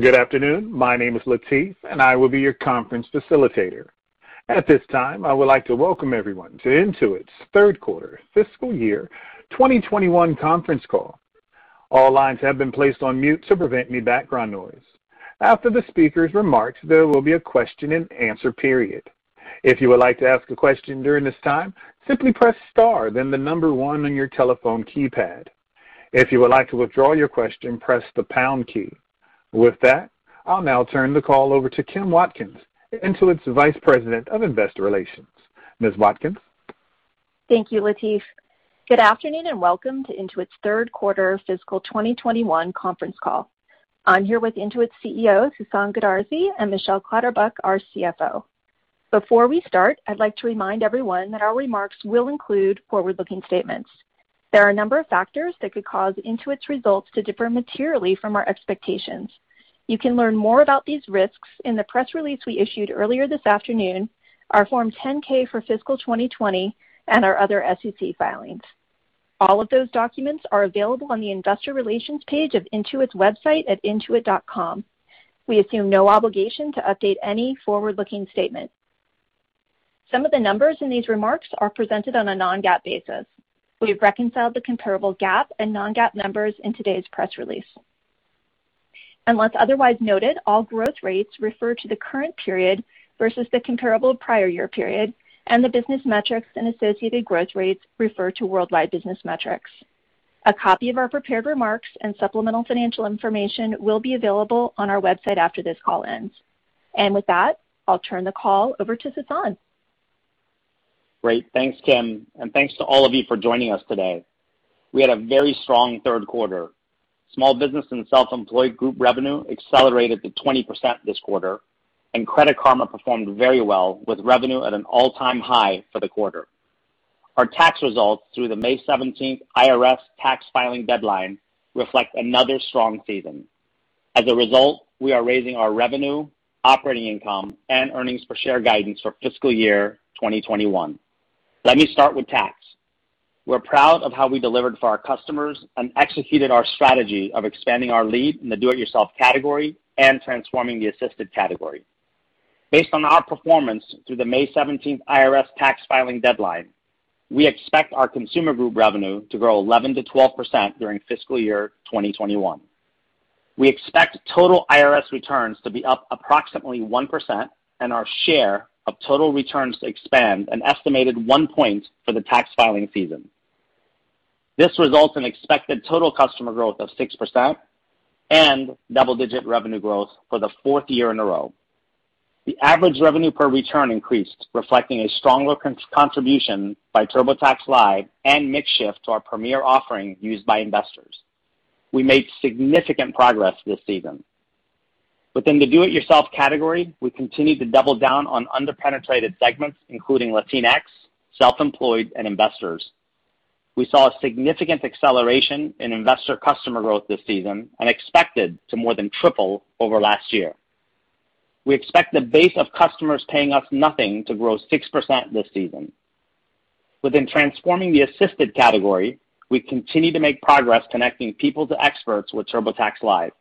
Good afternoon? My name is Latif, and I will be your conference Facilitator. At this time, I would like to welcome everyone to Intuit's third quarter fiscal year 2021 conference call. All lines have been placed on mute to prevent any background noise. After the speaker's remarks, there will be a question-and-answer period. If you would like to ask a question during this time, simply press star, then the number one on your telephone keypad. If you would like to withdraw your question, press the pound key. With that, I'll now turn the call over to Kim Watkins, Intuit's Vice President of Investor Relations. Ms. Watkins? Thank you, Latif. Good afternoon, welcome to Intuit's third quarter fiscal 2021 conference call. I'm here with Intuit's Chief Executive Officer, Sasan Goodarzi, and Michelle Clatterbuck, our Chief Financial Officer. Before we start, I'd like to remind everyone that our remarks will include forward-looking statements. There are a number of factors that could cause Intuit's results to differ materially from our expectations. You can learn more about these risks in the press release we issued earlier this afternoon, our Form 10-K for fiscal 2020, and our other SEC filings. All of those documents are available on the investor relations page of intuit's website at intuit.com. We assume no obligation to update any forward-looking statements. Some of the numbers in these remarks are presented on a non-GAAP basis. We reconcile the comparable GAAP and non-GAAP numbers in today's press release. Unless otherwise noted, all growth rates refer to the current period versus the comparable prior year period, and the business metrics and associated growth rates refer to worldwide business metrics. A copy of our prepared remarks and supplemental financial information will be available on our website after this call ends. With that, I'll turn the call over to Sasan. Great. Thanks, Kim, and thanks to all of you for joining us today. We had a very strong third quarter. Small Business and Self-Employed Group revenue accelerated to 20% this quarter, and Credit Karma performed very well with revenue at an all-time high for the quarter. Our tax results through the May 17 IRS tax filing deadline reflect another strong season. We are raising our revenue, operating income, and earnings per share guidance for fiscal year 2021. Let me start with tax. We're proud of how we delivered for our customers and executed our strategy of expanding our lead in the do-it-yourself category and transforming the assisted category. Based on our performance through the May 17 IRS tax filing deadline, we expect our Consumer Group revenue to grow 11%-12% during fiscal year 2021. We expect total IRS returns to be up approximately 1%, and our share of total returns to expand an estimated one point for the tax filing season. This results in expected total customer growth of 6% and double-digit revenue growth for the fourth year in a row. The average revenue per return increased, reflecting a stronger contribution by TurboTax Live and mix shift to our Premier offering used by investors. We made significant progress this season. Within the do-it-yourself category, we continue to double down on under-penetrated segments, including Latinx, self-employed, and investors. We saw a significant acceleration in investor customer growth this season and expect it to more than triple over last year. We expect the base of customers paying us nothing to grow 6% this season. Within transforming the assisted category, we continue to make progress connecting people to experts with TurboTax Live.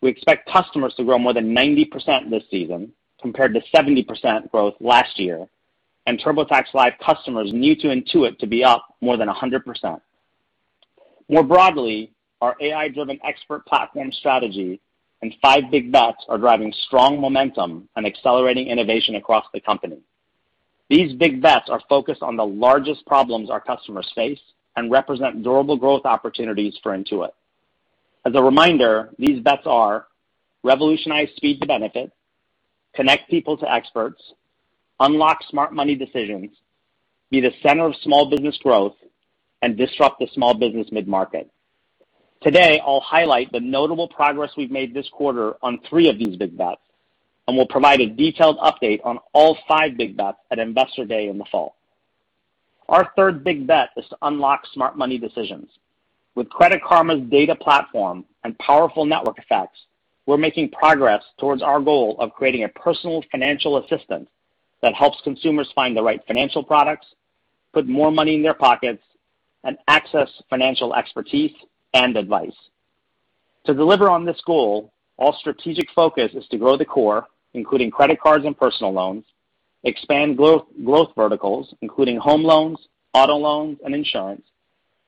We expect customers to grow more than 90% this season, compared to 70% growth last year, and TurboTax Live customers new to Intuit to be up more than 100%. More broadly, our AI-driven expert platform strategy and five big bets are driving strong momentum and accelerating innovation across the company. These big bets are focused on the largest problems our customers face and represent durable growth opportunities for Intuit. As a reminder, these bets are revolutionize speed to benefit, connect people to experts, unlock smart money decisions, be the center of small business growth, and disrupt the small business mid-market. Today, I'll highlight the notable progress we've made this quarter on three of these big bets, and we'll provide a detailed update on all five big bets at Investor Day in the fall. Our third big bet is to unlock smart money decisions. With Credit Karma's data platform and powerful network effects, we're making progress towards our goal of creating a personal financial assistant that helps consumers find the right financial products, put more money in their pockets, and access financial expertise and advice. To deliver on this goal, our strategic focus is to grow the core, including credit cards and personal loans, expand growth verticals, including home loans, auto loans, and insurance,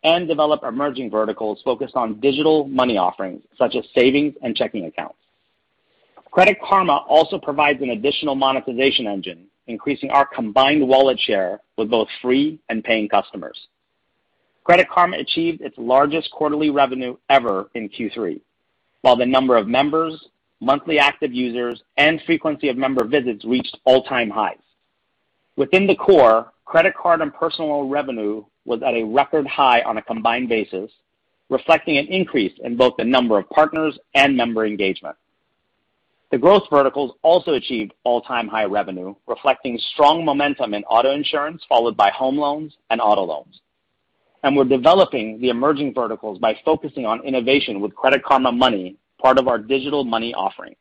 and develop emerging verticals focused on digital money offerings such as savings and checking accounts. Credit Karma also provides an additional monetization engine, increasing our combined wallet share with both free and paying customers. Credit Karma achieved its largest quarterly revenue ever in Q3, while the number of members, monthly active users, and frequency of member visits reached all-time highs. Within the core, credit card and personal revenue was at a record high on a combined basis, reflecting an increase in both the number of partners and member engagement. The growth verticals also achieved all-time high revenue, reflecting strong momentum in auto insurance followed by home loans and auto loans. We're developing the emerging verticals by focusing on innovation with Credit Karma Money, part of our digital money offering.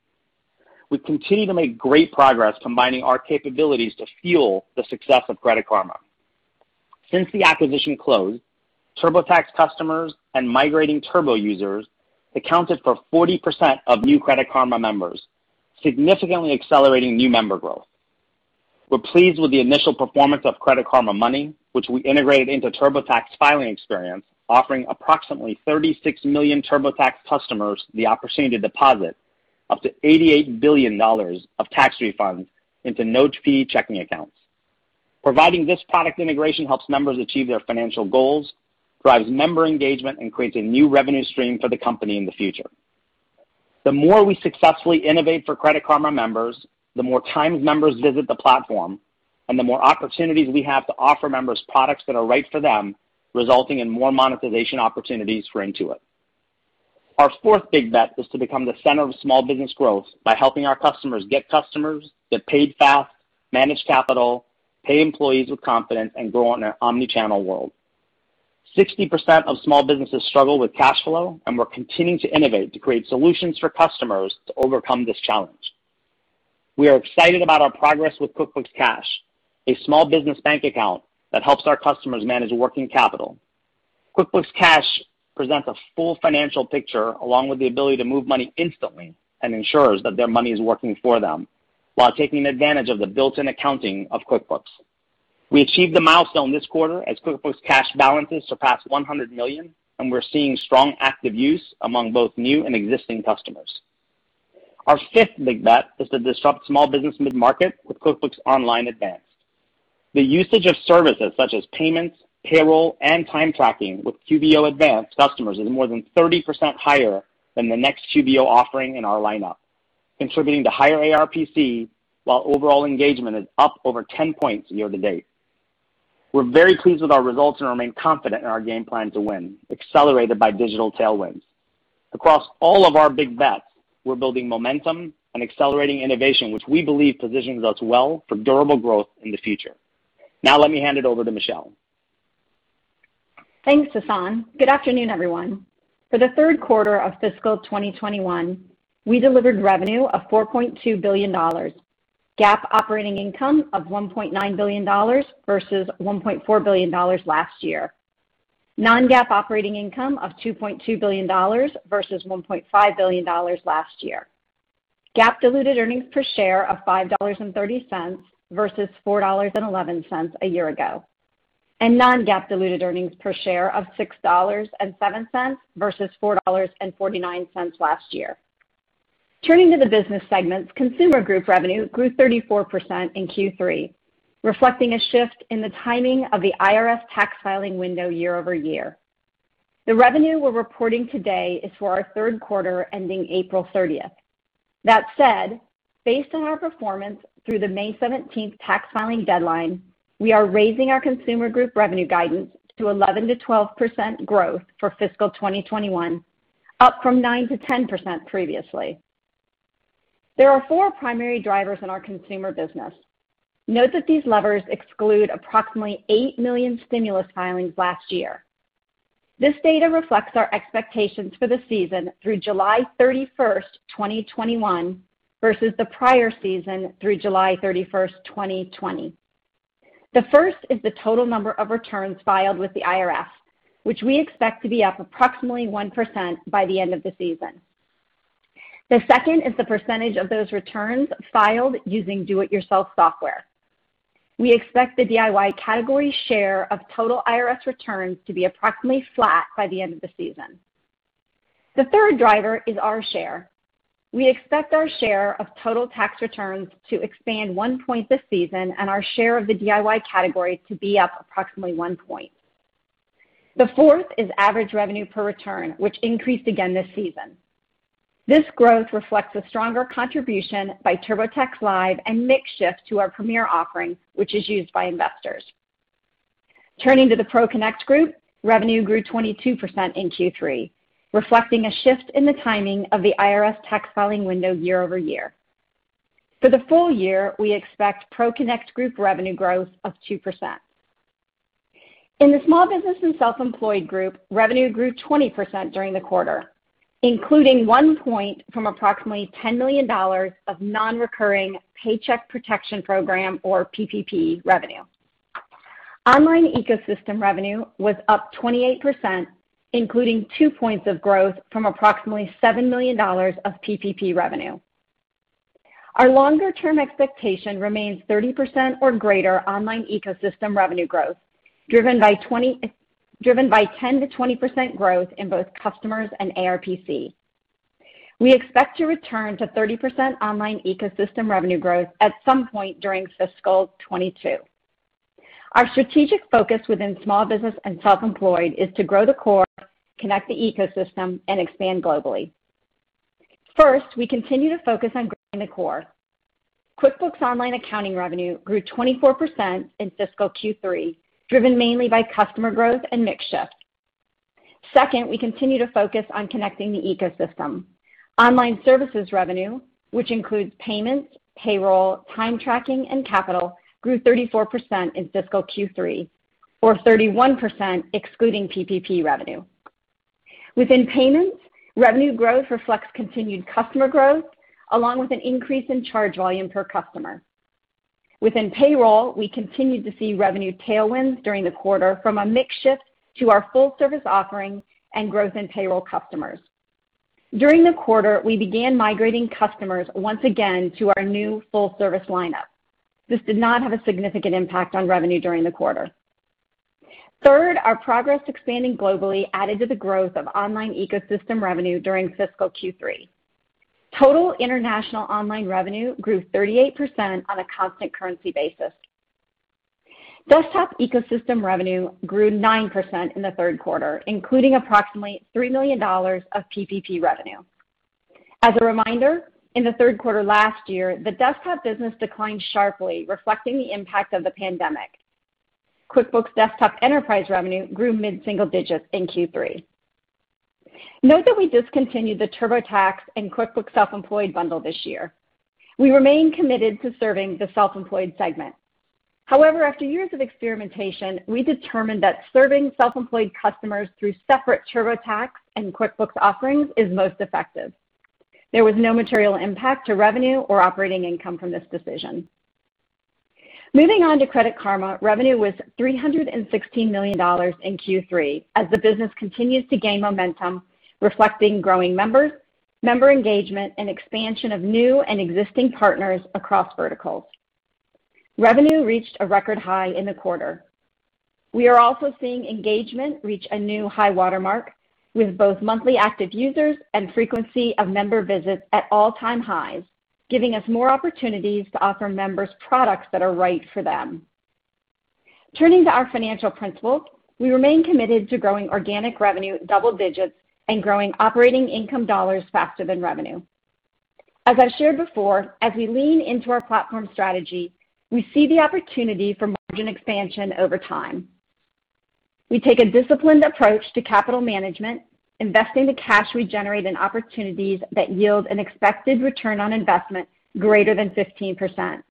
We continue to make great progress combining our capabilities to fuel the success of Credit Karma. Since the acquisition closed, TurboTax customers and migrating Turbo users accounted for 40% of new Credit Karma members, significantly accelerating new member growth. We're pleased with the initial performance of Credit Karma Money, which we integrated into TurboTax filing experience, offering approximately 36 million TurboTax customers the opportunity to deposit up to $88 billion of tax refunds into no fee checking accounts. Providing this product integration helps members achieve their financial goals, drives member engagement, and creates a new revenue stream for the company in the future. The more we successfully innovate for Credit Karma members, the more times members visit the platform, and the more opportunities we have to offer members products that are right for them, resulting in more monetization opportunities for Intuit. Our fourth big bet is to become the center of small business growth by helping our customers get customers, get paid fast, manage capital, pay employees with confidence, and grow in an omnichannel world. 60% of small businesses struggle with cash flow, and we're continuing to innovate to create solutions for customers to overcome this challenge. We are excited about our progress with QuickBooks Cash, a small business bank account that helps our customers manage working capital. QuickBooks Cash presents a full financial picture, along with the ability to move money instantly, and ensures that their money is working for them while taking advantage of the built-in accounting of QuickBooks. We achieved a milestone this quarter as QuickBooks Cash balances surpassed $100 million, and we're seeing strong active use among both new and existing customers. Our fifth big bet is to disrupt small business mid-market with QuickBooks Online Advanced. The usage of services such as payments, payroll, and time tracking with QBO Advanced customers is more than 30% higher than the next QBO offering in our lineup, contributing to higher ARPC, while overall engagement is up over 10 points year to date. We're very pleased with our results and remain confident in our game plan to win, accelerated by digital tailwinds. Across all of our big bets, we're building momentum and accelerating innovation, which we believe positions us well for durable growth in the future. Now let me hand it over to Michelle. Thanks, Sasan. Good afternoon everyone? For the third quarter of fiscal 2021, we delivered revenue of $4.2 billion, GAAP operating income of $1.9 billion versus $1.4 billion last year, non-GAAP operating income of $2.2 billion versus $1.5 billion last year, GAAP diluted earnings per share of $5.30 versus $4.11 a year ago, and non-GAAP diluted earnings per share of $6.07 versus $4.49 last year. Turning to the business segments, Consumer Group revenue grew 34% in Q3, reflecting a shift in the timing of the IRS tax filing window year-over-year. The revenue we're reporting today is for our third quarter ending April 30. Based on our performance through the May 17 tax filing deadline, we are raising our Consumer Group revenue guidance to 11%-12% growth for fiscal 2021, up from 9%-10% previously. There are four primary drivers in our consumer business. Note that these levers exclude approximately eight million stimulus filings last year. This data reflects our expectations for the season through July 31, 2021 versus the prior season through July 31, 2020. The first is the total number of returns filed with the IRS, which we expect to be up approximately 1% by the end of the season. The second is the percentage of those returns filed using do it yourself software. We expect the DIY category share of total IRS returns to be approximately flat by the end of the season. The third driver is our share. We expect our share of total tax returns to expand one point this season, and our share of the DIY category to be up approximately one point. The fourth is average revenue per return, which increased again this season. This growth reflects a stronger contribution by TurboTax Live and mix shift to our Premier offering, which is used by investors. Turning to the ProConnect Group, revenue grew 22% in Q3, reflecting a shift in the timing of the IRS tax filing window year-over-year. For the full year, we expect ProConnect Group revenue growth of 2%. In the Small Business and Self-Employed Group, revenue grew 20% during the quarter, including one point from approximately $10 million of non-recurring Paycheck Protection Program, or PPP, revenue. Online Ecosystem revenue was up 28%, including two points of growth from approximately $7 million of PPP revenue. Our longer-term expectation remains 30% or greater Online Ecosystem revenue growth, driven by 10%-20% growth in both customers and ARPC. We expect to return to 30% Online Ecosystem revenue growth at some point during fiscal 2022. Our strategic focus within Small Business and Self-Employed is to grow the core, connect the ecosystem, and expand globally. First, we continue to focus on growing the core. QuickBooks Online accounting revenue grew 24% in fiscal Q3, driven mainly by customer growth and mix shift. Second, we continue to focus on connecting the ecosystem. Online services revenue, which includes payments, payroll, time tracking, and capital, grew 34% in fiscal Q3, or 31% excluding PPP revenue. Within payments, revenue growth reflects continued customer growth, along with an increase in charge volume per customer. Within payroll, we continued to see revenue tailwinds during the quarter from a mix shift to our full service offering and growth in payroll customers. During the quarter, we began migrating customers once again to our new full service lineup. This did not have a significant impact on revenue during the quarter. Third, our progress expanding globally added to the growth of Online Ecosystem revenue during fiscal Q3. Total international online revenue grew 38% on a constant currency basis. Desktop ecosystem revenue grew 9% in the third quarter, including approximately $3 million of PPP revenue. As a reminder, in the third quarter last year, the Desktop business declined sharply, reflecting the impact of the pandemic. QuickBooks Desktop Enterprise revenue grew mid-single digits in Q3. Note that we discontinued the TurboTax and QuickBooks Self-Employed bundle this year. We remain committed to serving the self-employed segment. However, after years of experimentation, we determined that serving self-employed customers through separate TurboTax and QuickBooks offerings is most effective. There was no material impact to revenue or operating income from this decision. Moving on to Credit Karma, revenue was $316 million in Q3 as the business continues to gain momentum, reflecting growing members, member engagement, and expansion of new and existing partners across verticals. Revenue reached a record high in the quarter. We are also seeing engagement reach a new high watermark with both monthly active users and frequency of member visits at all-time highs, giving us more opportunities to offer members products that are right for them. Turning to our financial principles, we remain committed to growing organic revenue double digits and growing operating income dollars faster than revenue. As I shared before, as we lean into our platform strategy, we see the opportunity for margin expansion over time. We take a disciplined approach to capital management, investing the cash we generate in opportunities that yield an expected return on investment greater than 15%.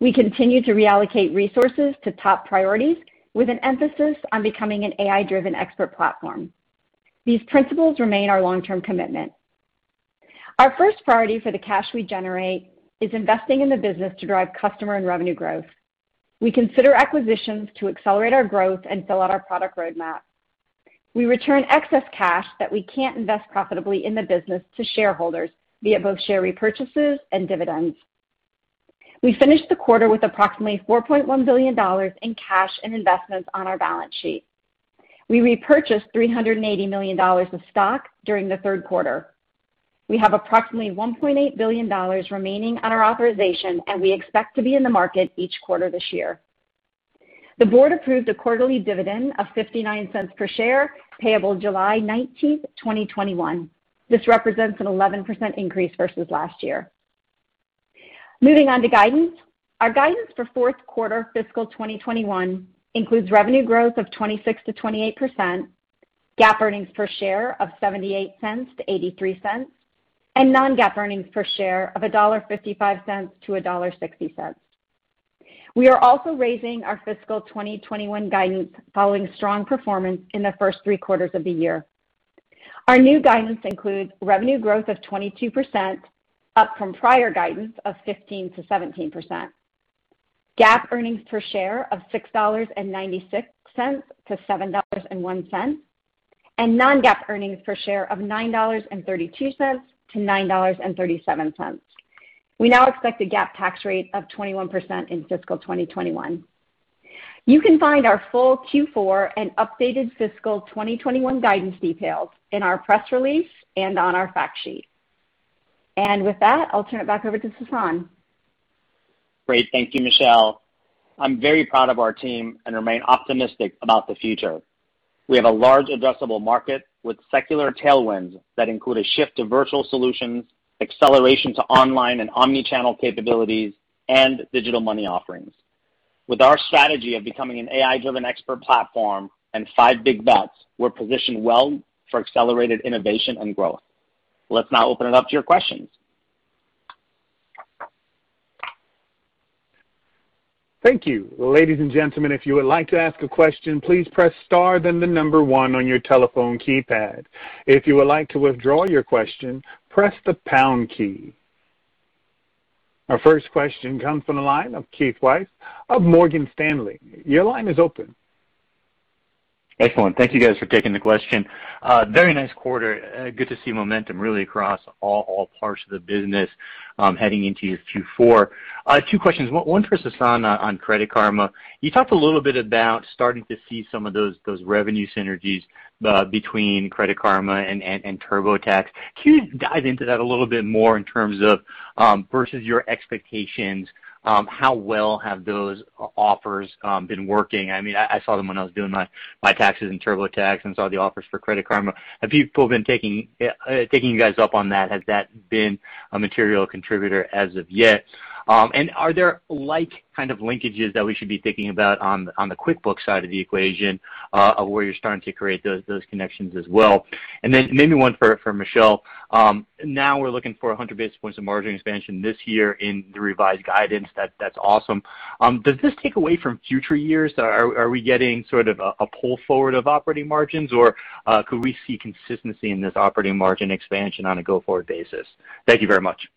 We continue to reallocate resources to top priorities with an emphasis on becoming an AI-driven expert platform. These principles remain our long-term commitment. Our first priority for the cash we generate is investing in the business to drive customer and revenue growth. We consider acquisitions to accelerate our growth and fill out our product roadmap. We return excess cash that we can't invest profitably in the business to shareholders via both share repurchases and dividends. We finished the quarter with approximately $4.1 billion in cash and investments on our balance sheet. We repurchased $380 million of stock during the third quarter. We have approximately $1.8 billion remaining on our authorization, and we expect to be in the market each quarter this year. The board approved a quarterly dividend of $0.59 per share, payable July 19, 2021. This represents an 11% increase versus last year. Moving on to guidance, our guidance for fourth quarter FY 2021 includes revenue growth of 26%-28%, GAAP earnings per share of $0.78-$0.83, and non-GAAP earnings per share of $1.55-$1.60. We are also raising our FY 2021 guidance following strong performance in the first three quarters of the year. Our new guidance includes revenue growth of 22%, up from prior guidance of 15%-17%, GAAP earnings per share of $6.96-$7.01, and non-GAAP earnings per share of $9.32-$9.37. We now expect a GAAP tax rate of 21% in FY 2021. You can find our full Q4 and updated FY 2021 guidance details in our press release and on our fact sheet. With that, I'll turn it back over to Sasan. Great. Thank you, Michelle. I'm very proud of our team and remain optimistic about the future. We have a large addressable market with secular tailwinds that include a shift to virtual solutions, acceleration to online and omni-channel capabilities, and digital money offerings. With our strategy of becoming an AI-driven expert platform and five big bets, we're positioned well for accelerated innovation and growth. Let's now open it up to your questions. Thank you. Ladies and gentlemen, if you would like to ask a question, please press star then the number one on your telephone keypad. If you would like to withdraw your question, press the pound key. Our first question comes from the line of Keith Weiss of Morgan Stanley, your line is open. Excellent. Thank you, guys, for taking the question. Very nice quarter. Good to see momentum really across all parts of the business heading into Q4. Two questions. One for Sasan on Credit Karma. You talked a little bit about starting to see some of those revenue synergies between Credit Karma and TurboTax. Can you dive into that a little bit more in terms of versus your expectations, how well have those offers been working? I saw them when I was doing my taxes in TurboTax and saw the offers for Credit Karma. Have people been taking you guys up on that? Has that been a material contributor as of yet? Are there like kind of linkages that we should be thinking about on the QuickBooks side of the equation, where you're starting to create those connections as well? Then maybe one for Michelle. We're looking for 100 basis points of margin expansion this year in the revised guidance. That's awesome. Does this take away from future years? Are we getting sort of a pull forward of operating margins, or could we see consistency in this operating margin expansion on a go-forward basis? Thank you very much.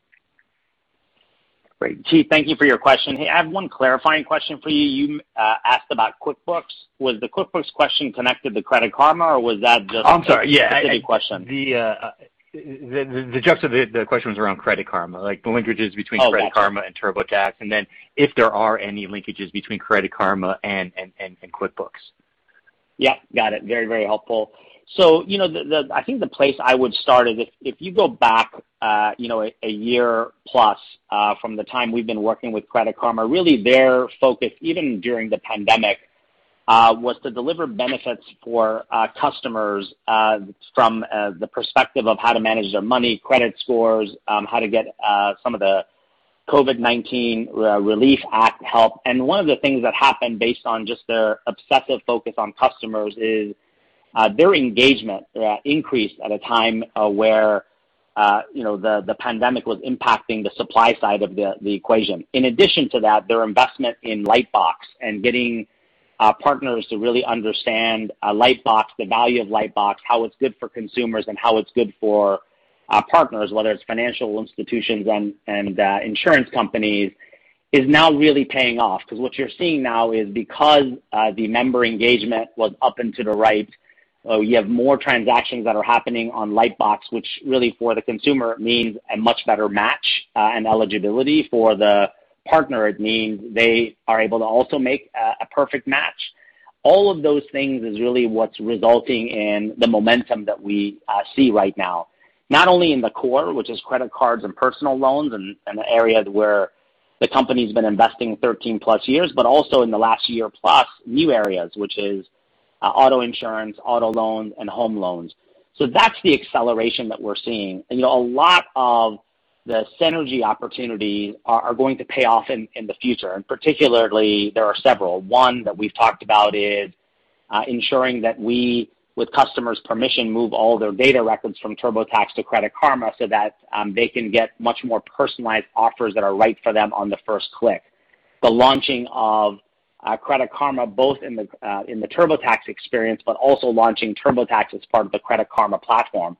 Great. Keith, thank you for your question. I have one clarifying question for you. You asked about QuickBooks. Was the QuickBooks question connected to Credit Karma, or was that just- I'm sorry. Yeah A different question? The gist of the question was around Credit Karma, like the linkages between Credit Karma and TurboTax, and then if there are any linkages between Credit Karma and QuickBooks. Yeah, got it. Very helpful. I think the place I would start is if you go back a year plus from the time we've been working with Credit Karma, really their focus, even during the pandemic, was to deliver benefits for customers from the perspective of how to manage their money, credit scores, how to get some of the COVID-19 Relief Act help. One of the things that happened based on just their obsessive focus on customers is their engagement increased at a time where the pandemic was impacting the supply side of the equation. In addition to that, their investment in Lightbox and getting partners to really understand Lightbox, the value of Lightbox, how it's good for consumers and how it's good for our partners, whether it's financial institutions and insurance companies, is now really paying off. What you're seeing now is because the member engagement was up and to the right, you have more transactions that are happening on Lightbox, which really for the consumer means a much better match and eligibility. For the partner, it means they are able to also make a perfect match. All of those things is really what's resulting in the momentum that we see right now, not only in the core, which is credit cards and personal loans and areas where the company's been investing 13+ years, but also in the last year plus new areas, which is auto insurance, auto loans, and home loans. That's the acceleration that we're seeing. A lot of the synergy opportunities are going to pay off in the future, and particularly there are several. One that we've talked about is ensuring that we, with customers' permission, move all their data records from TurboTax to Credit Karma so that they can get much more personalized offers that are right for them on the first click. The launching of Credit Karma, both in the TurboTax experience, but also launching TurboTax as part of the Credit Karma platform.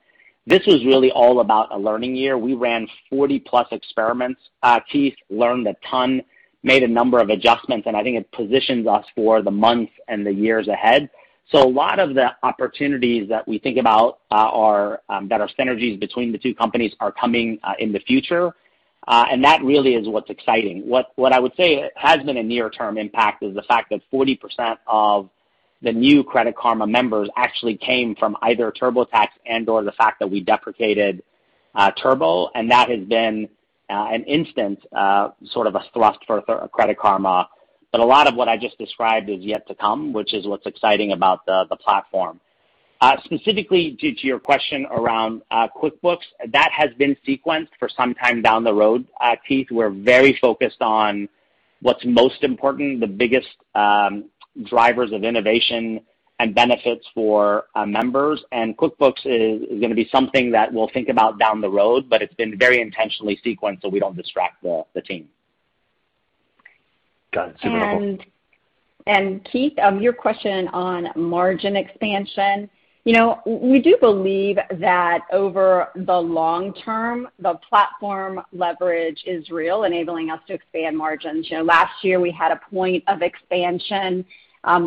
This was really all about a learning year. We ran 40+ experiments, Keith. Learned a ton, made a number of adjustments, I think it positions us for the months and the years ahead. A lot of the opportunities that we think about are better synergies between the two companies are coming in the future. That really is what's exciting. What I would say has been a near-term impact is the fact that 40% of the new Credit Karma members actually came from either TurboTax and/or the fact that we deprecated Turbo. That has been an instant sort of a plus for Credit Karma. A lot of what I just described is yet to come, which is what's exciting about the platform. Specifically to your question around QuickBooks, that has been sequenced for some time down the road, Keith. We're very focused on what's most important, the biggest drivers of innovation and benefits for our members. QuickBooks is going to be something that we'll think about down the road, but it's been very intentionally sequenced so we don't distract the team. Got it. Thank you. Keith, your question on margin expansion. We do believe that over the long term, the platform leverage is real, enabling us to expand margins. Last year, we had a point of expansion.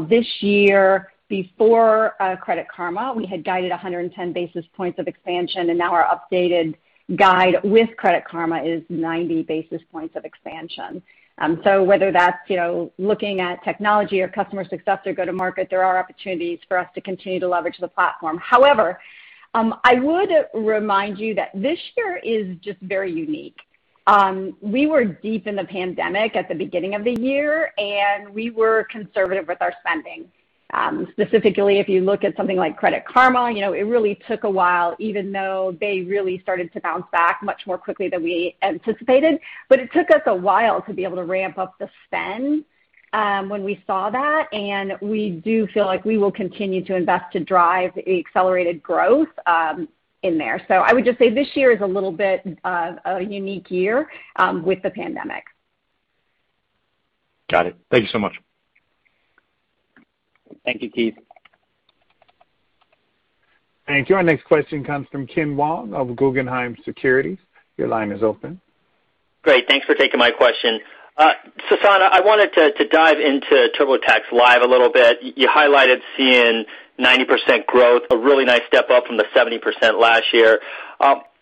This year, before Credit Karma, we had guided 110 basis points of expansion, and now our updated guide with Credit Karma is 90 basis points of expansion. Whether that's looking at technology or customer success or go to market, there are opportunities for us to continue to leverage the platform. However, I would remind you that this year is just very unique. We were deep in the pandemic at the beginning of the year, and we were conservative with our spending. Specifically, if you look at something like Credit Karma, it really took a while, even though they really started to bounce back much more quickly than we anticipated. It took us a while to be able to ramp up the spend when we saw that. We do feel like we will continue to invest to drive accelerated growth in there. I would just say this year is a little bit of a unique year with the pandemic. Got it. Thank you so much. Thank you, Keith. Thank you. Our next question comes from Ken Wong of Guggenheim Securities, your line is open. Great. Thanks for taking my question. Sasan, I wanted to dive into TurboTax Live a little bit. You highlighted seeing 90% growth, a really nice step up from the 70% last year.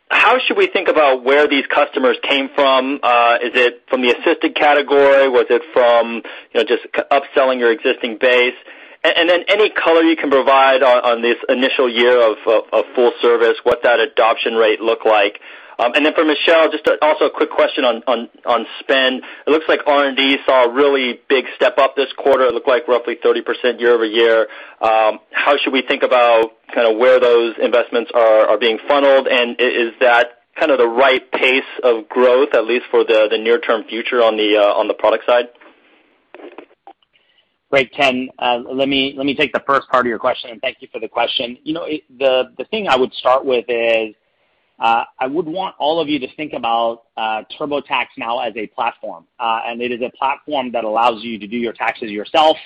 How should we think about where these customers came from? Is it from the assisted category? Was it from just upselling your existing base? Then any color you can provide on this initial year of full service, what that adoption rate look like. Then for Michelle, just also a quick question on spend. It looks like R&D saw a really big step up this quarter, it looked like roughly 30% year-over-year. How should we think about where those investments are being funneled? And is that the right pace of growth, at least for the near-term future on the product side? Great, Ken. Let me take the first part of your question, and thank you for the question. The thing I would start with is, I would want all of you to think about TurboTax now as a platform. It is a platform that allows you to do your taxes yourself.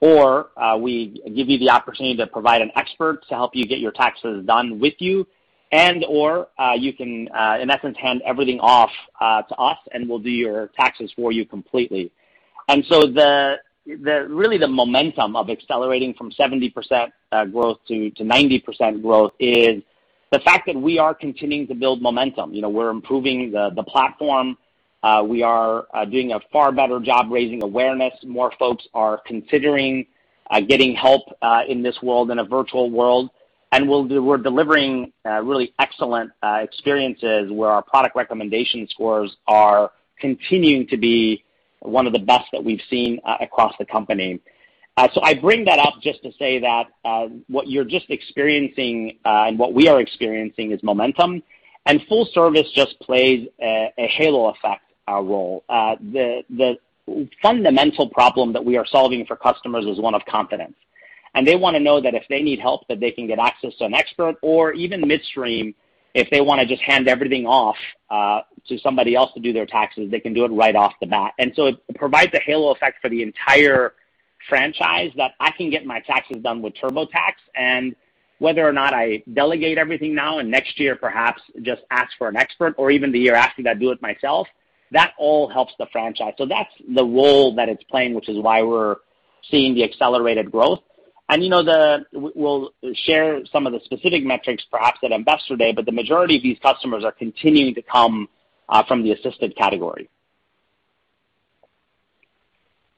Or we give you the opportunity to provide an expert to help you get your taxes done with you, and/or you can, in essence, hand everything off to us, and we'll do your taxes for you completely. Really the momentum of accelerating from 70% growth to 90% growth is the fact that we are continuing to build momentum. We're improving the platform. We are doing a far better job raising awareness. More folks are considering getting help in this world, in a virtual world. We're delivering really excellent experiences where our product recommendation scores are continuing to be one of the best that we've seen across the company. I bring that up just to say that what you're just experiencing and what we are experiencing is momentum, and full service just plays a halo effect role. The fundamental problem that we are solving for customers is one of confidence, and they want to know that if they need help, that they can get access to an expert or even midstream, if they want to just hand everything off to somebody else to do their taxes, they can do it right off the bat. It provides a halo effect for the entire franchise that I can get my taxes done with TurboTax and whether or not I delegate everything now and next year, perhaps just ask for an expert or even the year after that, do it myself, that all helps the franchise. That's the role that it's playing, which is why we're seeing the accelerated growth. We'll share some of the specific metrics perhaps at Investor Day, but the majority of these customers are continuing to come from the assisted category.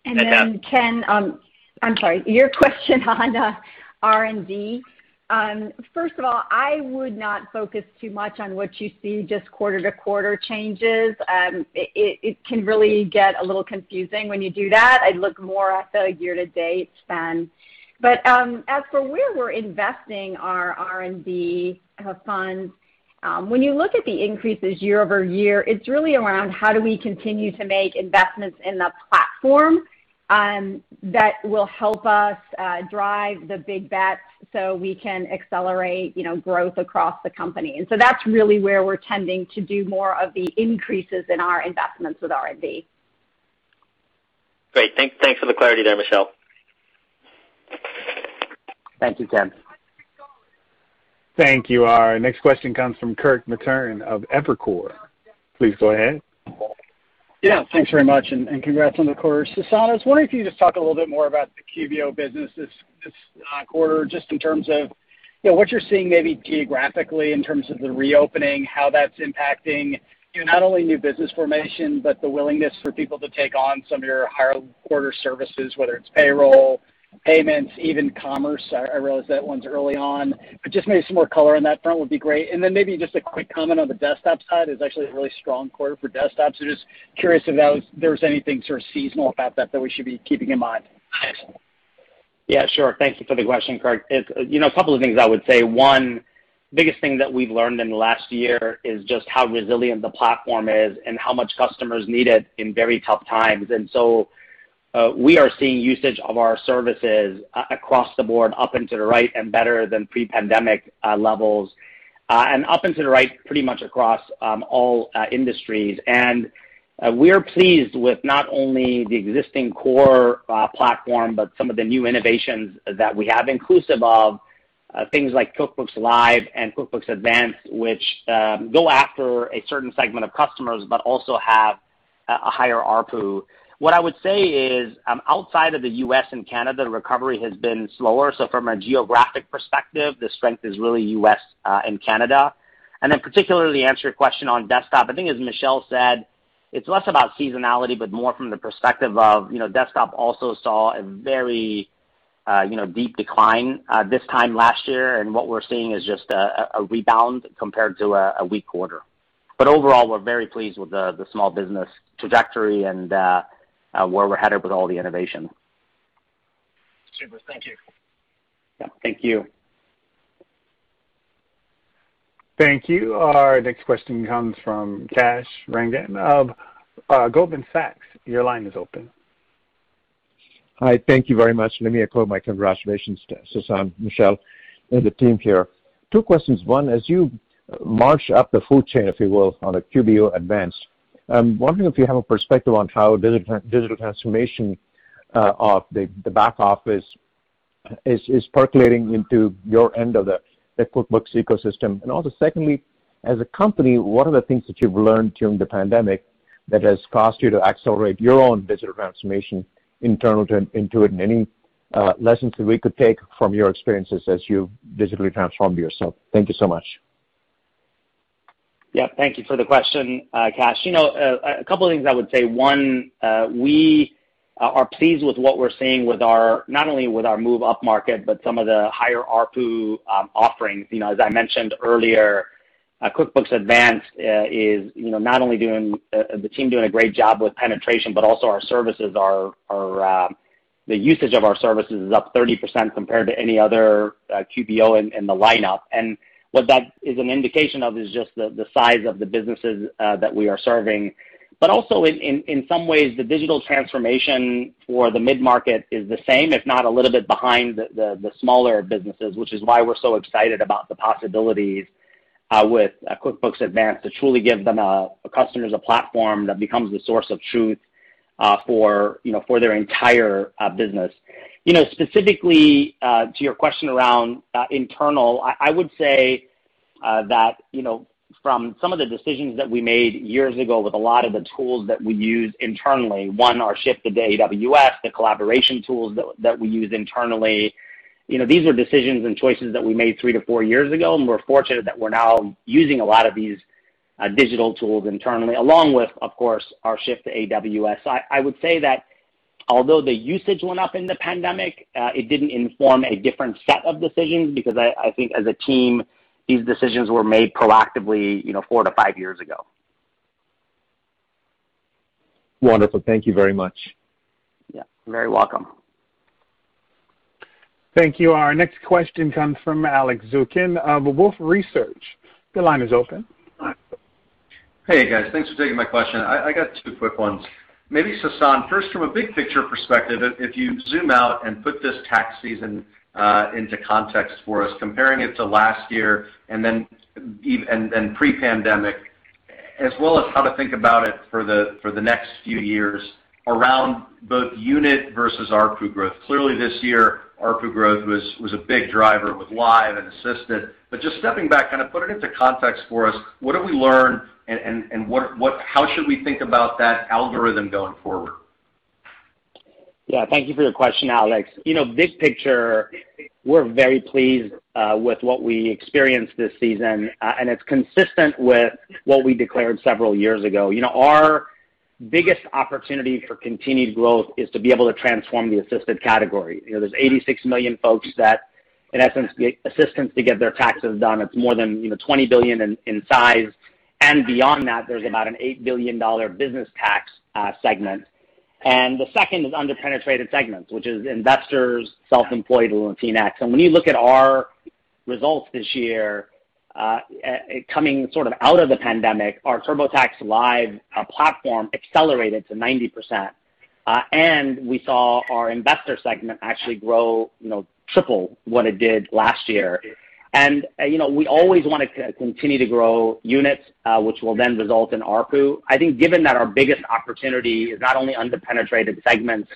Ken, I'm sorry, your question on R&D. I would not focus too much on what you see just quarter-to-quarter changes. It can really get a little confusing when you do that. I'd look more at the year-to-date spend. As for where we're investing our R&D funds, when you look at the increases year-over-year, it's really around how do we continue to make investments in the platform that will help us drive the big bets so we can accelerate growth across the company. That's really where we're tending to do more of the increases in our investments with R&D. Great. Thanks for the clarity there, Michelle. Thank you, Ken. Thank you. Our next question comes from Kirk Materne of Evercore. Please go ahead. Yeah, thanks very much, and congrats on the quarter. Sasan, I was wondering if you could talk a little bit more about the QBO business this quarter, just in terms of what you're seeing maybe geographically in terms of the reopening, how that's impacting not only new business formation, but the willingness for people to take on some of your higher order services, whether it's payroll, payments, even Commerce. I realize that one's early on, but just maybe some more color on that front would be great. Then maybe just a quick comment on the Desktop side. It was actually a really strong quarter for Desktop, so just curious if there's anything sort of seasonal about that we should be keeping in mind. Yeah, sure. Thank you for the question, Kirk. A couple of things I would say. One, biggest thing that we've learned in the last year is just how resilient the platform is and how much customers need it in very tough times. We are seeing usage of our services across the board, up into the right and better than pre-pandemic levels, and up into the right pretty much across all industries. We are pleased with not only the existing core platform, but some of the new innovations that we have inclusive of things like QuickBooks Live and QuickBooks Advanced, which go after a certain segment of customers, but also have a higher ARPU. What I would say is, outside of the U.S. and Canada, recovery has been slower. From a geographic perspective, the strength is really U.S. and Canada. Particularly to answer your question on Desktop, I think as Michelle said, it's less about seasonality, but more from the perspective of Desktop also saw a very deep decline this time last year. What we're seeing is just a rebound compared to a weak quarter. Overall, we're very pleased with the small business trajectory and where we're headed with all the innovation. Super. Thank you. Yeah. Thank you. Thank you. Our next question comes from Kash Rangan of Goldman Sachs, your line is open. Hi. Thank you very much. Let me echo my congratulations to Sasan, Michelle, and the team here. Two questions. One, as you march up the food chain, if you will, on QBO Advanced, I'm wondering if you have a perspective on how digital transformation of the back office is percolating into your end of the QuickBooks ecosystem. Also secondly, as a company, what are the things that you've learned during the pandemic that has caused you to accelerate your own digital transformation internal to Intuit, and any lessons that we could take from your experiences as you've digitally transformed yourself? Thank you so much. Yeah. Thank you for the question, Kash. A couple of things I would say. One, we are pleased with what we're seeing not only with our move up market, but some of the higher ARPU offerings. As I mentioned earlier, QuickBooks Advanced, the team doing a great job with penetration, but also the usage of our services is up 30% compared to any other QBO in the lineup. What that is an indication of is just the size of the businesses that we are serving. Also in some ways, the digital transformation for the mid-market is the same, if not a little bit behind the smaller businesses, which is why we're so excited about the possibilities with QuickBooks Advanced to truly give customers a platform that becomes the source of truth for their entire business. Specifically to your question around internal, I would say that from some of the decisions that we made years ago with a lot of the tools that we use internally, one, our shift to the AWS, the collaboration tools that we use internally, these are decisions and choices that we made three to four years ago, and we're fortunate that we're now using a lot of these digital tools internally, along with, of course, our shift to AWS. I would say that although the usage went up in the pandemic, it didn't inform a different set of decisions because I think as a team, these decisions were made proactively four to five years ago. Wonderful. Thank you very much. Yeah. You're very welcome. Thank you. Our next question comes from Alex Zukin of Wolfe Research, your line is open. Hey, guys. Thanks for taking my question. I got two quick ones. Maybe Sasan, first, from a big picture perspective, if you zoom out and put this tax season into context for us, comparing it to last year and then pre-pandemic, as well as how to think about it for the next few years around both unit versus ARPU growth. Clearly this year, ARPU growth was a big driver with Live and Assisted. Just stepping back, kind of put it into context for us, what have we learned and how should we think about that algorithm going forward? Thank you for your question, Alex. Big picture, we're very pleased with what we experienced this season, and it's consistent with what we declared several years ago. Our biggest opportunity for continued growth is to be able to transform the Assisted category. There's 86 million folks that, in essence, get assistance to get their taxes done. It's more than $20 billion in size, and beyond that, there's about an $8 billion business tax segment. The second is under-penetrated segments, which is Investors, Self-employed, and Latinx. When you look at our results this year, coming sort of out of the pandemic, our TurboTax Live platform accelerated to 90%, and we saw our investor segment actually grow triple what it did last year. We always want to continue to grow units, which will then result in ARPU. I think given that our biggest opportunity is not only under-penetrated segments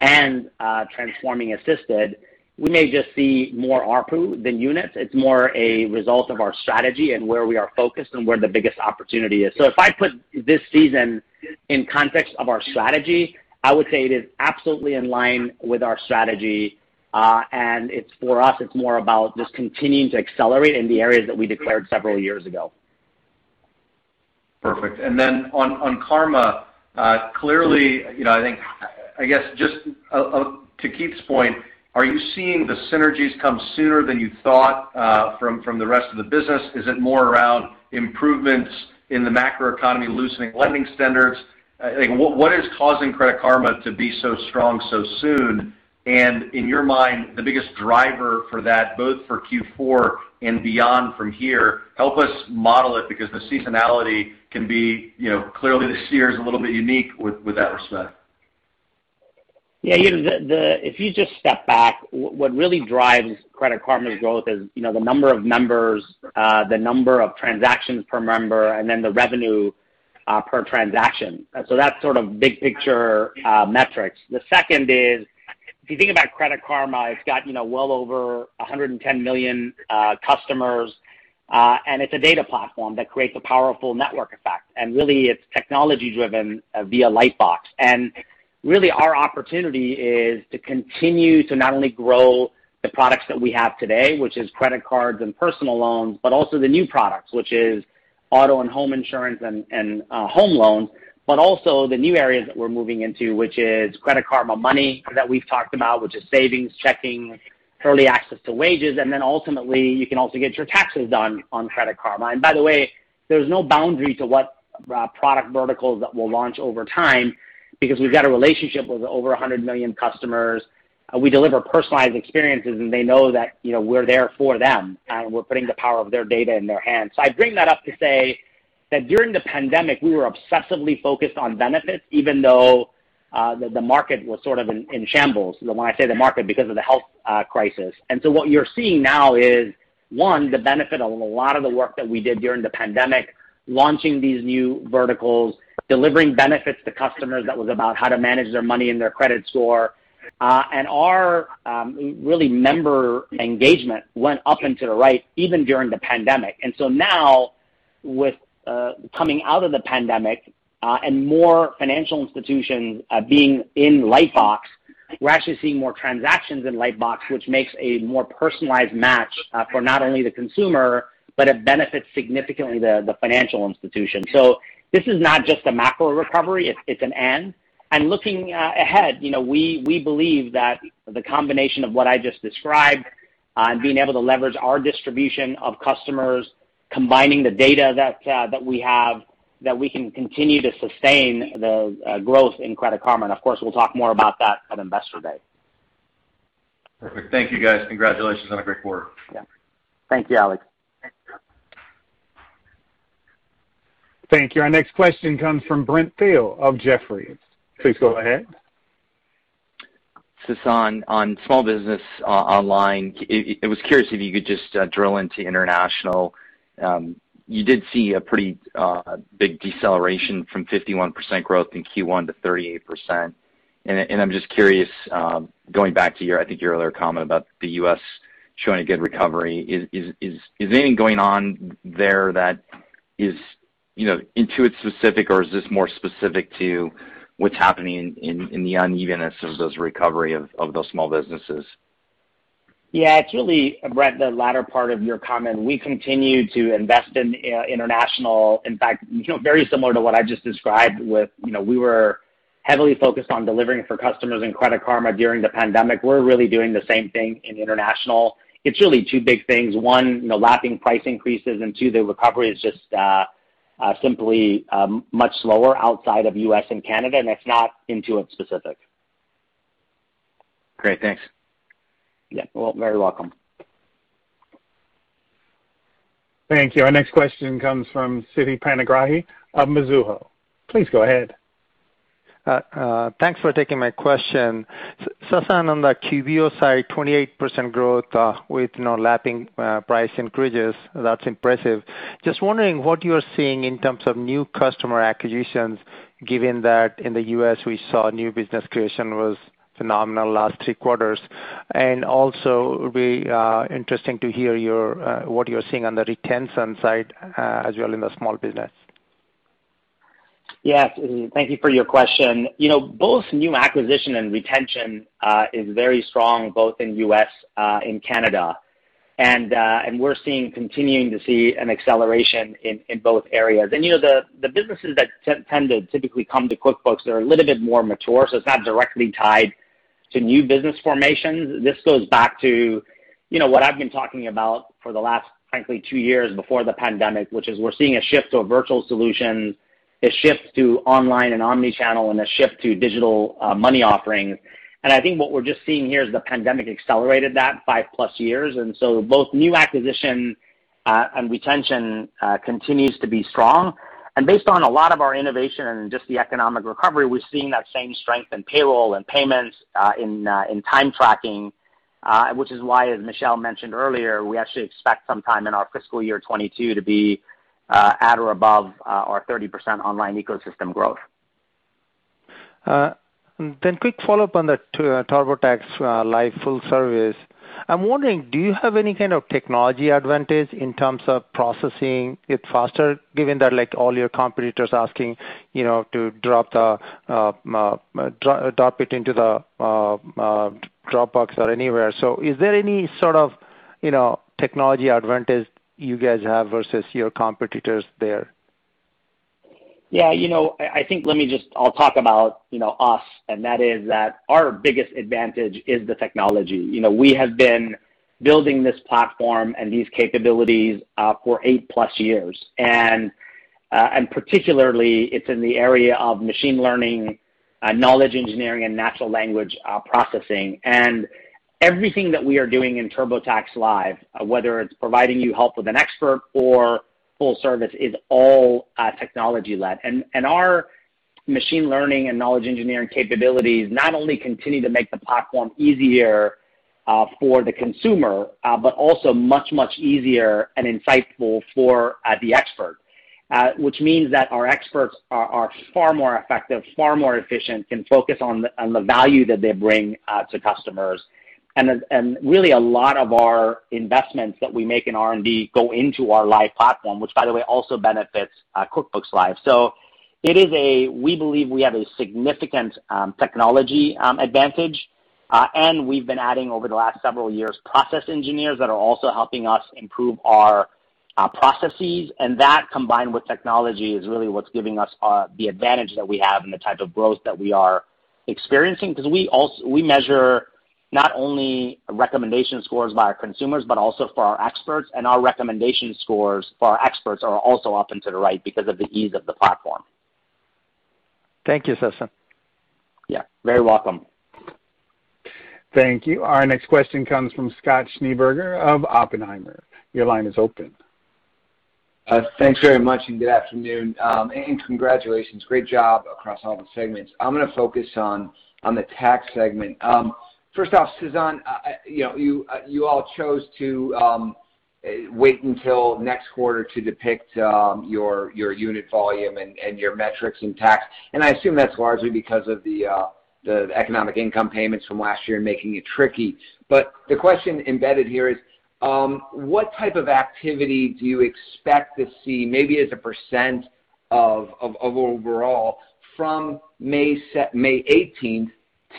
and transforming Assisted, we may just see more ARPU than units. It's more a result of our strategy and where we are focused and where the biggest opportunity is. If I put this season in context of our strategy, I would say it is absolutely in line with our strategy, and for us, it's more about just continuing to accelerate in the areas that we declared several years ago. Perfect. Then on Karma, clearly, I think, I guess just to Keith's point, are you seeing the synergies come sooner than you thought from the rest of the business? Is it more around improvements in the macroeconomy, loosening lending standards? What is causing Credit Karma to be so strong so soon? In your mind, the biggest driver for that, both for Q4 and beyond from here, help us model it because the seasonality, clearly this year is a little bit unique with that respect. Yeah. If you just step back, what really drives Credit Karma's growth is the number of members, the number of transactions per member, and then the revenue per transaction. That's sort of big picture metrics. The second is, if you think about Credit Karma, it's got well over 110 million customers, and it's a data platform that creates a powerful network effect. Really, it's technology-driven via Lightbox. Really, our opportunity is to continue to not only grow the products that we have today, which is credit cards and personal loans, but also the new products, which is auto and home insurance and home loans, but also the new areas that we're moving into, which is Credit Karma Money that we've talked about, which is savings, checking, early access to wages, and then ultimately, you can also get your taxes done on Credit Karma. By the way, there's no boundary to what product verticals that we'll launch over time because we've got a relationship with over 100 million customers. We deliver personalized experiences, and they know that we're there for them, and we're putting the power of their data in their hands. I bring that up to say that during the pandemic, we were obsessively focused on benefits, even though the market was sort of in shambles. When I say the market, because of the health crisis. What you're seeing now is, one, the benefit of a lot of the work that we did during the pandemic, launching these new verticals, delivering benefits to customers that was about how to manage their money and their credit score. Our really member engagement went up and to the right, even during the pandemic. Now with coming out of the pandemic, more financial institutions being in Lightbox, we're actually seeing more transactions in Lightbox, which makes a more personalized match for not only the consumer, but it benefits significantly the financial institution. This is not just a macro recovery, it's an and. Looking ahead, we believe that the combination of what I just described and being able to leverage our distribution of customers, combining the data that we have, that we can continue to sustain the growth in Credit Karma. Of course, we'll talk more about that at Investor Day. Perfect. Thank you, guys. Congratulations on a great quarter. Yeah. Thank you, Alex. Thank you. Our next question comes from Brent Thill of Jefferies, please go ahead. Sasan, on small business online, it was curious if you could just drill into international. You did see a pretty big deceleration from 51% growth in Q1 to 38%. I'm just curious, going back to, I think, your other comment about the U.S. showing a good recovery. Is anything going on there that is Intuit specific or is this more specific to what's happening in the unevenness of those recovery of those small businesses? Yeah. It's really, Brent, the latter part of your comment. We continue to invest in international. In fact, very similar to what I just described, we were heavily focused on delivering for customers in Credit Karma during the pandemic. We're really doing the same thing in international. It's really two big things. One, lapping price increases, and two, the recovery is just simply much slower outside of U.S. and Canada, and it's not Intuit specific. Great. Thanks. Yeah. Well, very welcome. Thank you. Our next question comes from Siti Panigrahi of Mizuho, please go ahead. Thanks for taking my question. Sasan, on the QBO side, 28% growth with no lapping price increases, that's impressive. Just wondering what you're seeing in terms of new customer acquisitions, given that in the U.S. we saw new business creation was phenomenal last three quarters. Also, it would be interesting to hear what you're seeing on the retention side as well in the small business. Yes, Siti, thank you for your question. Both new acquisition and retention is very strong both in U.S., in Canada. We're continuing to see an acceleration in both areas. The businesses that tend to typically come to QuickBooks are a little bit more mature, so it's not directly tied to new business formations. This goes back to what I've been talking about for the last, frankly, two years before the pandemic, which is we're seeing a shift to a virtual solution, a shift to online and omni-channel, and a shift to digital money offerings. I think what we're just seeing here is the pandemic accelerated that 5+ years, both new acquisition and retention continues to be strong. Based on a lot of our innovation and just the economic recovery, we're seeing that same strength in payroll and payments, in time tracking, which is why, as Michelle mentioned earlier, we actually expect sometime in our fiscal year 2022 to be at or above our 30% Online Ecosystem growth. Quick follow-up on the TurboTax Live full service. I'm wondering, do you have any kind of technology advantage in terms of processing it faster, given that all your competitors asking to drop it into the Dropbox or anywhere? Is there any sort of technology advantage you guys have versus your competitors there? Yeah. I think I'll talk about us. That is that our biggest advantage is the technology. We have been building this platform and these capabilities for 8+ years. Particularly, it's in the area of machine learning, knowledge engineering, and natural language processing. Everything that we are doing in TurboTax Live, whether it's providing you help with an expert or full service, is all technology led. Our machine learning and knowledge engineering capabilities not only continue to make the platform easier for the consumer but also much, much easier and insightful for the expert, which means that our experts are far more effective, far more efficient, can focus on the value that they bring to customers. Really a lot of our investments that we make in R&D go into our Live platform, which by the way, also benefits QuickBooks Live. Any day we believe we have a significant technology advantage. We've been adding over the last several years, process engineers that are also helping us improve our processes. That combined with technology is really what's giving us the advantage that we have and the type of growth that we are experiencing because we measure not only recommendation scores by our consumers but also for our experts. Our recommendation scores for our experts are also off into the right because of the ease of the platform. Thank you, Sasan. Yeah. Very welcome. Thank you. Our next question comes from Scott Schneeberger of Oppenheimer, your line is open. Thanks very much, and good afternoon, and congratulations. Great job across all the segments. I'm going to focus on the tax segment. First off, Sasan, you all chose to wait until next quarter to depict your unit volume and your metrics in tax. I assume that's largely because of the Economic income payments from last year making it tricky. The question embedded here is what type of activity do you expect to see, maybe as a percentage of overall from May 18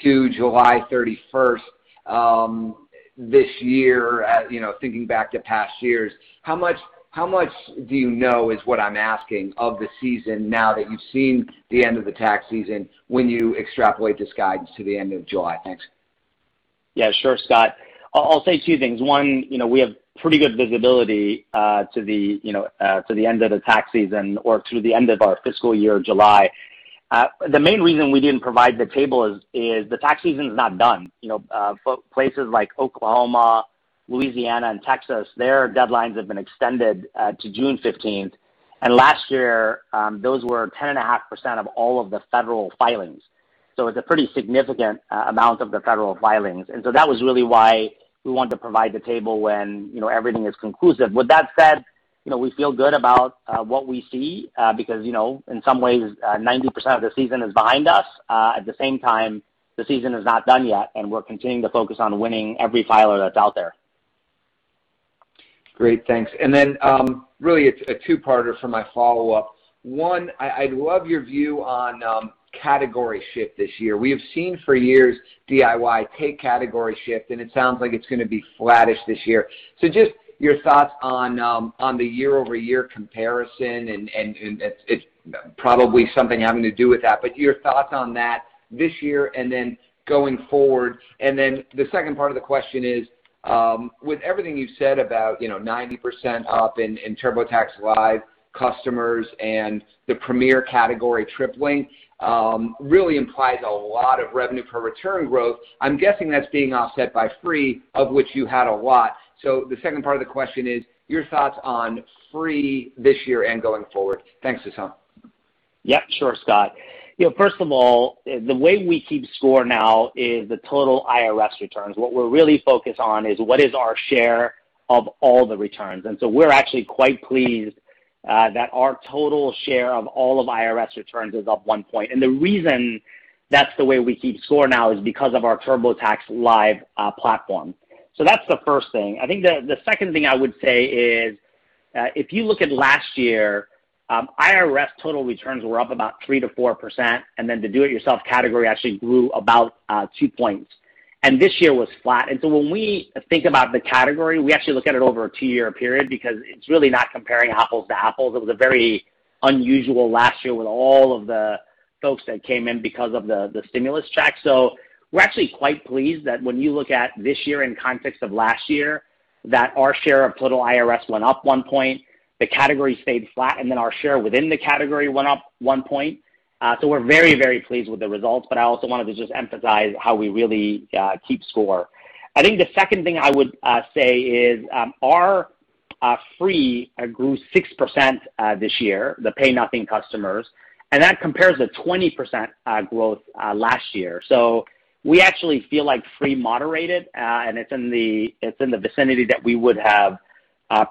to July 31 this year, thinking back to past years? How much do you know is what I'm asking of the season now that you've seen the end of the tax season when you extrapolate this guidance to the end of July? Thanks. Yeah, sure, Scott. I'll say two things. One, we have pretty good visibility to the end of the tax season or to the end of our fiscal year in July. The main reason we didn't provide the table is the tax season's not done. Places like Oklahoma, Louisiana, and Texas, their deadlines have been extended to June 15. Last year, those were 10.5% of all of the federal filings. It's a pretty significant amount of the federal filings. That was really why we wanted to provide the table when everything is conclusive. With that said, we feel good about what we see because, in some ways, 90% of the season is behind us. At the same time, the season is not done yet, and we're continuing to focus on winning every filer that's out there. Great. Thanks. Really it's a two-parter for my follow-up. One, I'd love your view on category shift this year. We have seen for years DIY take category shift. It sounds like it's going to be flattish this year. Just your thoughts on the year-over-year comparison and it's probably something having to do with that, but your thoughts on that this year and then going forward. The second part of the question is, with everything you've said about 90% up in TurboTax Live customers and the Premier category tripling, really implies a lot of revenue per return growth. I'm guessing that's being offset by free, of which you had a lot. The second part of the question is your thoughts on free this year and going forward. Thanks, Sasan. Sure, Scott. The way we keep score now is the total IRS returns. What we're really focused on is what is our share of all the returns. We're actually quite pleased that our total share of all of IRS returns is up one point. The reason that's the way we keep score now is because of our TurboTax Live platform. That's the first thing. I think the second thing I would say is, if you look at last year, IRS total returns were up about 3%-4%, and then the do-it-yourself category actually grew about two points. This year was flat. When we think about the category, we actually look at it over a two-year period because it's really not comparing apples to apples. It was a very unusual last year with all of the folks that came in because of the Stimulus checks. We're actually quite pleased that when you look at this year in context of last year, that our share of total IRS went up one point, the category stayed flat, and then our share within the category went up one point. We're very, very pleased with the results, but I also wanted to just emphasize how we really keep score. I think the second thing I would say is our free grew 6% this year, the pay nothing customers. That compares to 20% growth last year. We actually feel like free moderated, and it's in the vicinity that we would have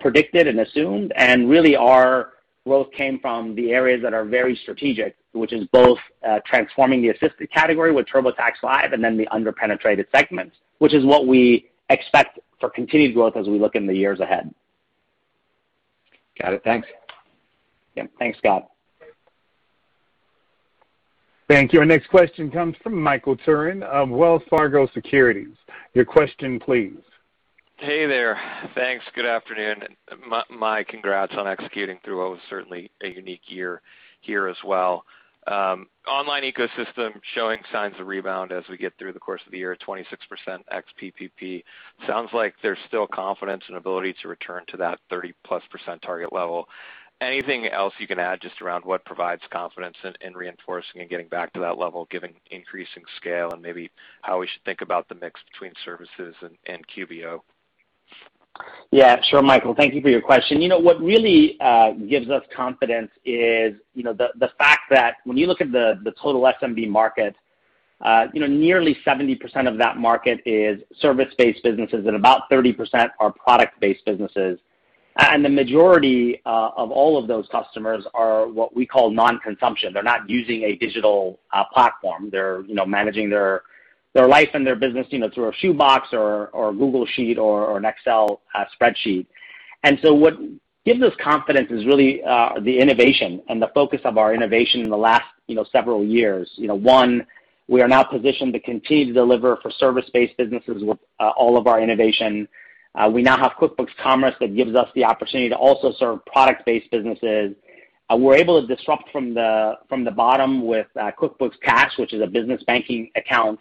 predicted and assumed. Really our growth came from the areas that are very strategic, which is both transforming the assisted category with TurboTax Live and then the under-penetrated segments, which is what we expect for continued growth as we look in the years ahead. Got it. Thanks. Yep. Thanks, Scott. Thank you. Our next question comes from Michael Turrin of Wells Fargo Securities, your question please. Hey there. Thanks. Good afternoon? My congrats on executing through what was certainly a unique year here as well. Online Ecosystem showing signs of rebound as we get through the course of the year, 26% ex PPP. Sounds like there's still confidence and ability to return to that 30+% target level. Anything else you can add just around what provides confidence in reinforcing and getting back to that level, given increasing scale, and maybe how we should think about the mix between services and QBO? Yeah. Sure, Michael. Thank you for your question. What really gives us confidence is the fact that when you look at the total SMB market, nearly 70% of that market is service-based businesses and about 30% are product-based businesses. The majority of all of those customers are what we call non-consumption. They're not using a digital platform. They're managing their life and their business through a shoebox or a Google Sheets or an Excel spreadsheet. What gives us confidence is really the innovation and the focus of our innovation in the last several years. One, we are now positioned to continue to deliver for service-based businesses with all of our innovation. We now have QuickBooks Commerce that gives us the opportunity to also serve product-based businesses. We're able to disrupt from the bottom with QuickBooks Cash, which is a business banking account.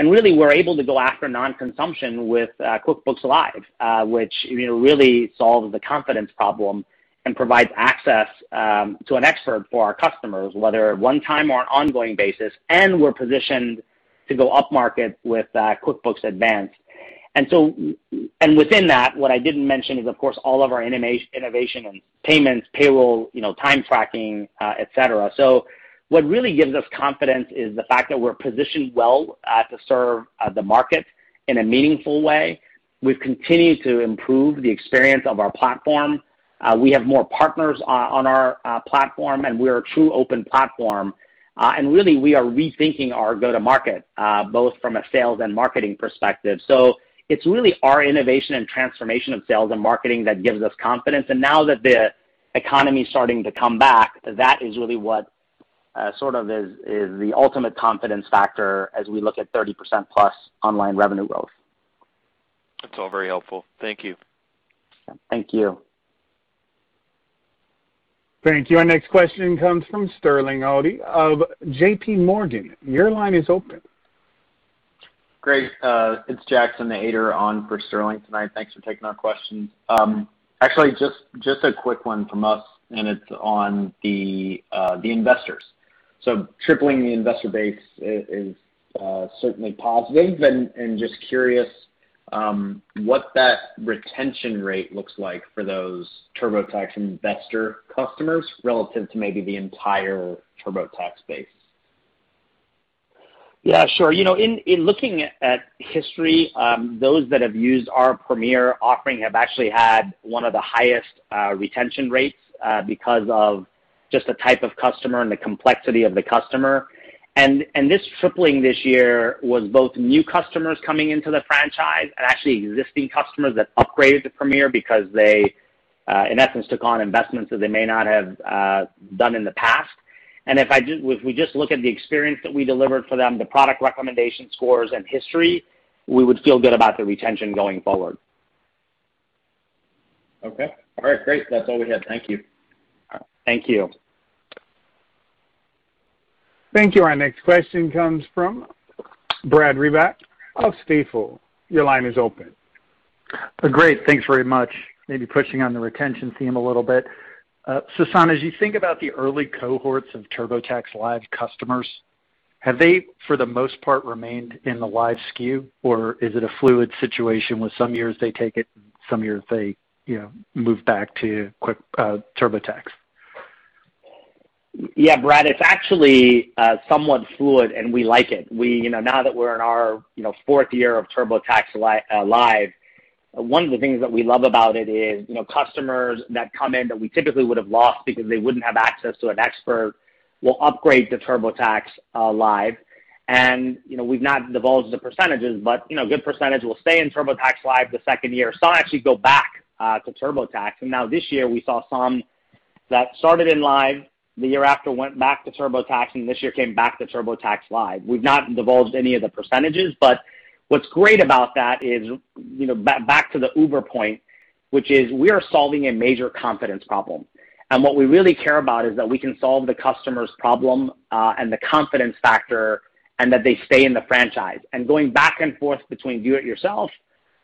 Really, we're able to go after non-consumption with QuickBooks Live, which really solves the confidence problem and provides access to an expert for our customers, whether one time or an ongoing basis. We're positioned to go upmarket with QuickBooks Advanced. Within that, what I didn't mention is, of course, all of our innovation in payments, payroll, time tracking, et cetera. What really gives us confidence is the fact that we're positioned well to serve the market in a meaningful way. We've continued to improve the experience of our platform. We have more partners on our platform, and we're a true open platform. Really, we are rethinking our go-to-market, both from a sales and marketing perspective. It's really our innovation and transformation of sales and marketing that gives us confidence. Now that the economy's starting to come back, that is really what sort of is the ultimate confidence factor as we look at 30+% online revenue growth. That's all very helpful. Thank you. Thank you. Thank you. Our next question comes from Sterling Auty of JPMorgan, your line is open. Great. It's Jackson Ader on for Sterling tonight. Thanks for taking our questions. Actually, just a quick one from us, and it's on the investors. Tripling the investor base is certainly positive. Just curious what that retention rate looks like for those TurboTax investor customers relative to maybe the entire TurboTax base. Yeah, sure. In looking at history, those that have used our Premier offering have actually had one of the highest retention rates because of just the type of customer and the complexity of the customer. This tripling this year was both new customers coming into the franchise, actually existing customers that upgraded to Premier because they, in essence, took on investments that they may not have done in the past. If we just look at the experience that we delivered for them, the product recommendation scores and history, we would feel good about the retention going forward. Okay. All right. Great. That's all we have. Thank you. Thank you. Thank you. Our next question comes from Brad Reback of Stifel, your line is open. Great. Thanks very much. Maybe pushing on the retention theme a little bit. Sasan, as you think about the early cohorts of TurboTax Live customers, have they, for the most part, remained in the Live SKU, or is it a fluid situation where some years they take it and some years they move back to quick TurboTax? Yeah, Brad, it's actually somewhat fluid. We like it. Now that we're in our fourth year of TurboTax Live, one of the things that we love about it is customers that come in that we typically would have lost because they wouldn't have access to an expert will upgrade to TurboTax Live. We've not divulged the percentages, but a good percentage will stay in TurboTax Live the second year. Some actually go back to TurboTax. Now this year we saw some that started in Live, the year after went back to TurboTax, and this year came back to TurboTax Live. We've not divulged any of the percentages, but what's great about that is, back to the Uber point, which is we are solving a major confidence problem. What we really care about is that we can solve the customer's problem and the confidence factor, and that they stay in the franchise. Going back and forth between do it yourself,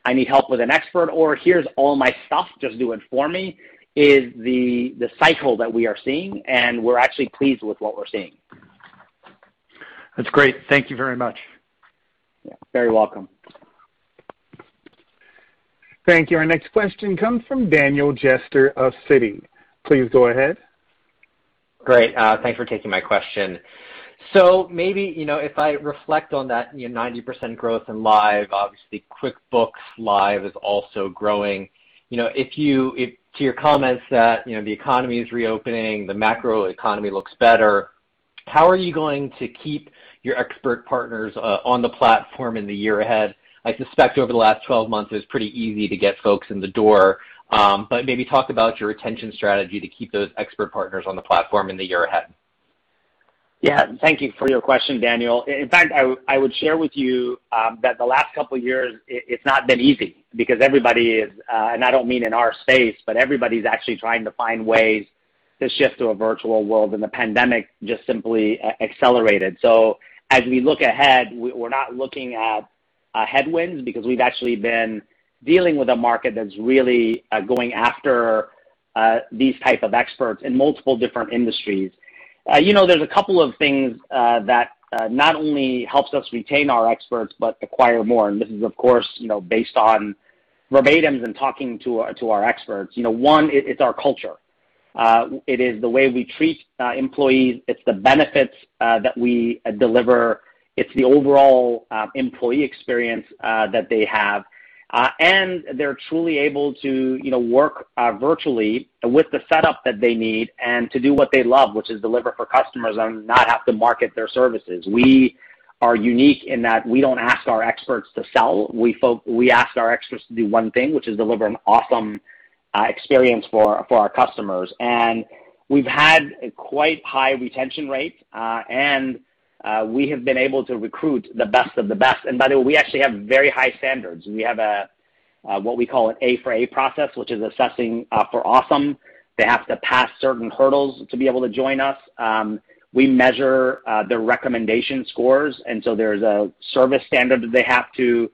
I need help with an expert, or here's all my stuff, just do it for me, is the cycle that we are seeing, and we're actually pleased with what we're seeing. That's great. Thank you very much. Yeah. Very welcome. Thank you. Our next question comes from Daniel Jester of Citi, please go ahead. Great. Thanks for taking my question. Maybe, if I reflect on that 90% growth in Live, obviously QuickBooks Live is also growing. To your comments that the economy is reopening, the macro economy looks better, how are you going to keep your expert partners on the platform in the year ahead? I suspect over the last 12 months, it's pretty easy to get folks in the door. Maybe talk about your retention strategy to keep those expert partners on the platform in the year ahead. Thank you for your question, Daniel. In fact, I would share with you that the last couple of years, it's not been easy because everybody is, and I don't mean in our space, but everybody's actually trying to find ways to shift to a virtual world, and the pandemic just simply accelerated. As we look ahead, we're not looking at headwinds because we've actually been dealing with a market that's really going after these types of experts in multiple different industries. There's a couple of things that not only helps us retain our experts, but acquire more. This is, of course, based on verbatims and talking to our experts. One, it's our culture. It is the way we treat employees. It's the benefits that we deliver. It's the overall employee experience that they have. They're truly able to work virtually with the setup that they need and to do what they love, which is deliver for customers and not have to market their services. We are unique in that we don't ask our experts to sell. We ask our experts to do one thing, which is deliver an awesome experience for our customers. We've had a quite high retention rate, and we have been able to recruit the best of the best. By the way, we actually have very high standards. We have what we call an A for A process, which is assessing for awesome. They have to pass certain hurdles to be able to join us. We measure their recommendation scores. There's a service standard that they have to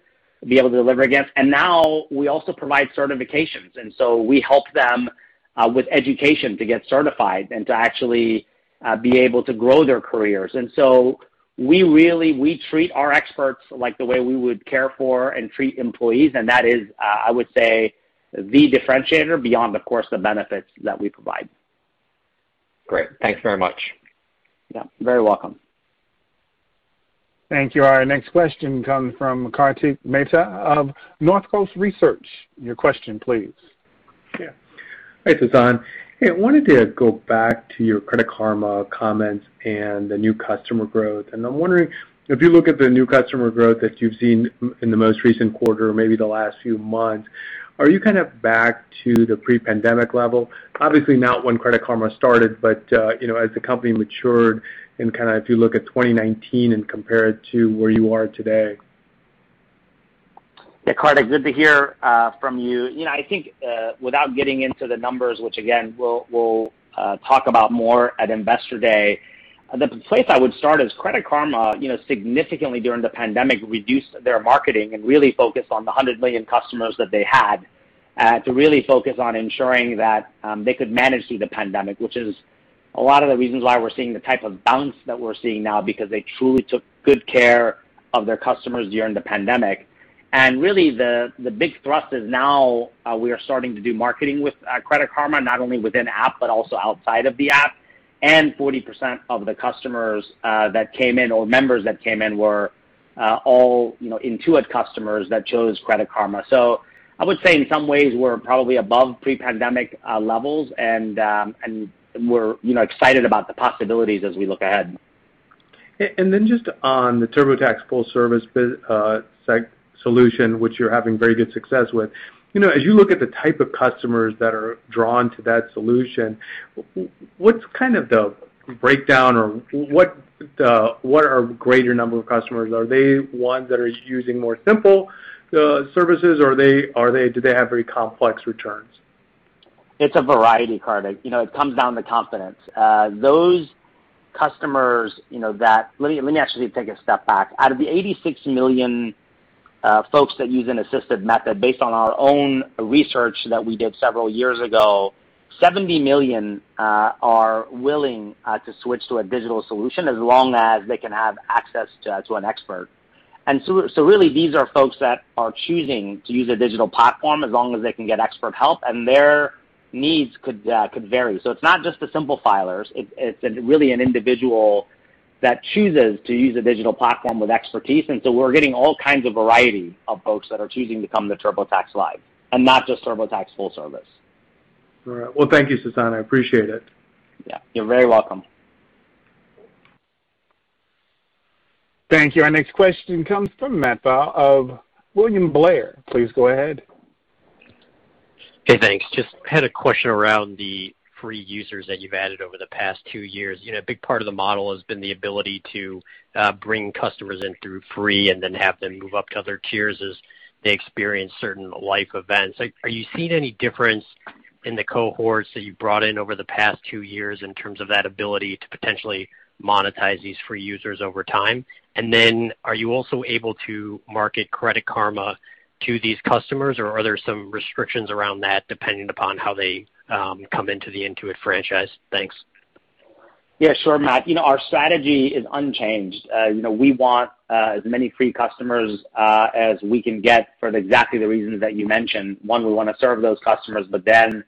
be able to deliver against. Now we also provide certifications, so we help them with education to get certified and to actually be able to grow their careers. So we really treat our experts like the way we would care for and treat employees, and that is, I would say, the differentiator beyond the course of benefits that we provide. Great. Thanks very much. Yeah. You're very welcome. Thank you. Our next question comes from Kartik Mehta of Northcoast Research, your question, please. Hi, Sasan. Hey, I wanted to go back to your Credit Karma comments and the new customer growth. I'm wondering if you look at the new customer growth that you've seen in the most recent quarter, maybe the last few months, are you kind of back to the pre-pandemic level? Obviously not when Credit Karma started, but as the company matured and if you look at 2019 and compare it to where you are today. Yeah, Kartik, good to hear from you. I think without getting into the numbers, which again, we'll talk about more at Investor Day, the place I would start is Credit Karma significantly during the pandemic, reduced their marketing and really focused on the 100 million customers that they had to really focus on ensuring that they could manage through the pandemic, which is a lot of the reasons why we're seeing the type of bounce that we're seeing now because they truly took good care of their customers during the pandemic. Really the big thrust is now we are starting to do marketing with Credit Karma, not only within app but also outside of the app, and 40% of the customers that came in, or members that came in, were all Intuit customers that chose Credit Karma. I would say in some ways we're probably above pre-pandemic levels, and we're excited about the possibilities as we look ahead. Just on the TurboTax Full Service solution, which you're having very good success with. As you look at the type of customers that are drawn to that solution, what's kind of the breakdown or what are greater number of customers? Are they ones that are using more simple services? Do they have very complex returns? It's a variety, Kartik. It comes down to confidence. Let me actually take a step back. Out of the 86 million folks that use an assisted method, based on our own research that we did several years ago, 70 million are willing to switch to a digital solution as long as they can have access to an expert. Really, these are folks that are choosing to use a digital platform as long as they can get expert help, and their needs could vary. It's not just the simple filers. It's really an individual that chooses to use a digital platform with expertise, we're getting all kinds of variety of folks that are choosing to come to TurboTax Live and not just TurboTax Full Service. All right. Well, thank you, Sasan. I appreciate it. Yeah, you're very welcome. Thank you. Our next question comes from Matt Pfau of William Blair, ylease go ahead. Hey, thanks. Just had a question around the free users that you've added over the past two years. A big part of the model has been the ability to bring customers in through free and then have them move up to other tiers as they experience certain life events. Are you seeing any difference in the cohorts that you've brought in over the past two years in terms of that ability to potentially monetize these free users over time? Are you also able to market Credit Karma to these customers, or are there some restrictions around that depending upon how they come into the Intuit franchise? Thanks. Yeah, sure, Matt. Our strategy is unchanged. We want as many free customers as we can get for exactly the reasons that you mentioned. One, we want to serve those customers, but then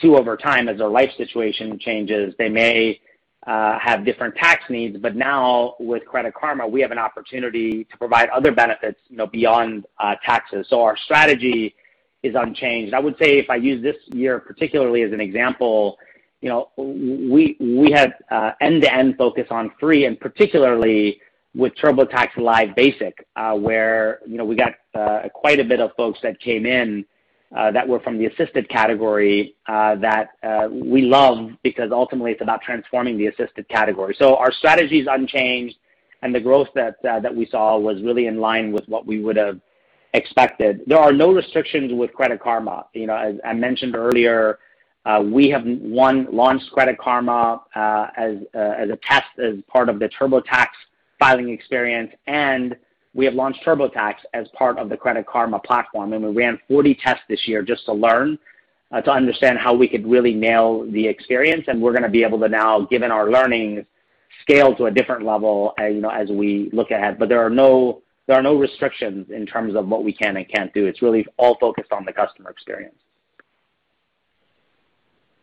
two, over time, as their life situation changes, they may have different tax needs. Now with Credit Karma, we have an opportunity to provide other benefits beyond taxes. Our strategy is unchanged. I would say if I use this year particularly as an example, we had end-to-end focus on free, and particularly with TurboTax Live Basic, where we got quite a bit of folks that came in that were from the assisted category that we love, because ultimately it's about transforming the assisted category. Our strategy is unchanged, and the growth that we saw was really in line with what we would have expected. There are no restrictions with Credit Karma. As I mentioned earlier, we have, one, launched Credit Karma as a test as part of the TurboTax filing experience, and we have launched TurboTax as part of the Credit Karma platform. We ran 40 tests this year just to learn to understand how we could really nail the experience. We're going to be able to now, given our learnings, scale to a different level as we look ahead. There are no restrictions in terms of what we can and can't do. It's really all focused on the customer experience.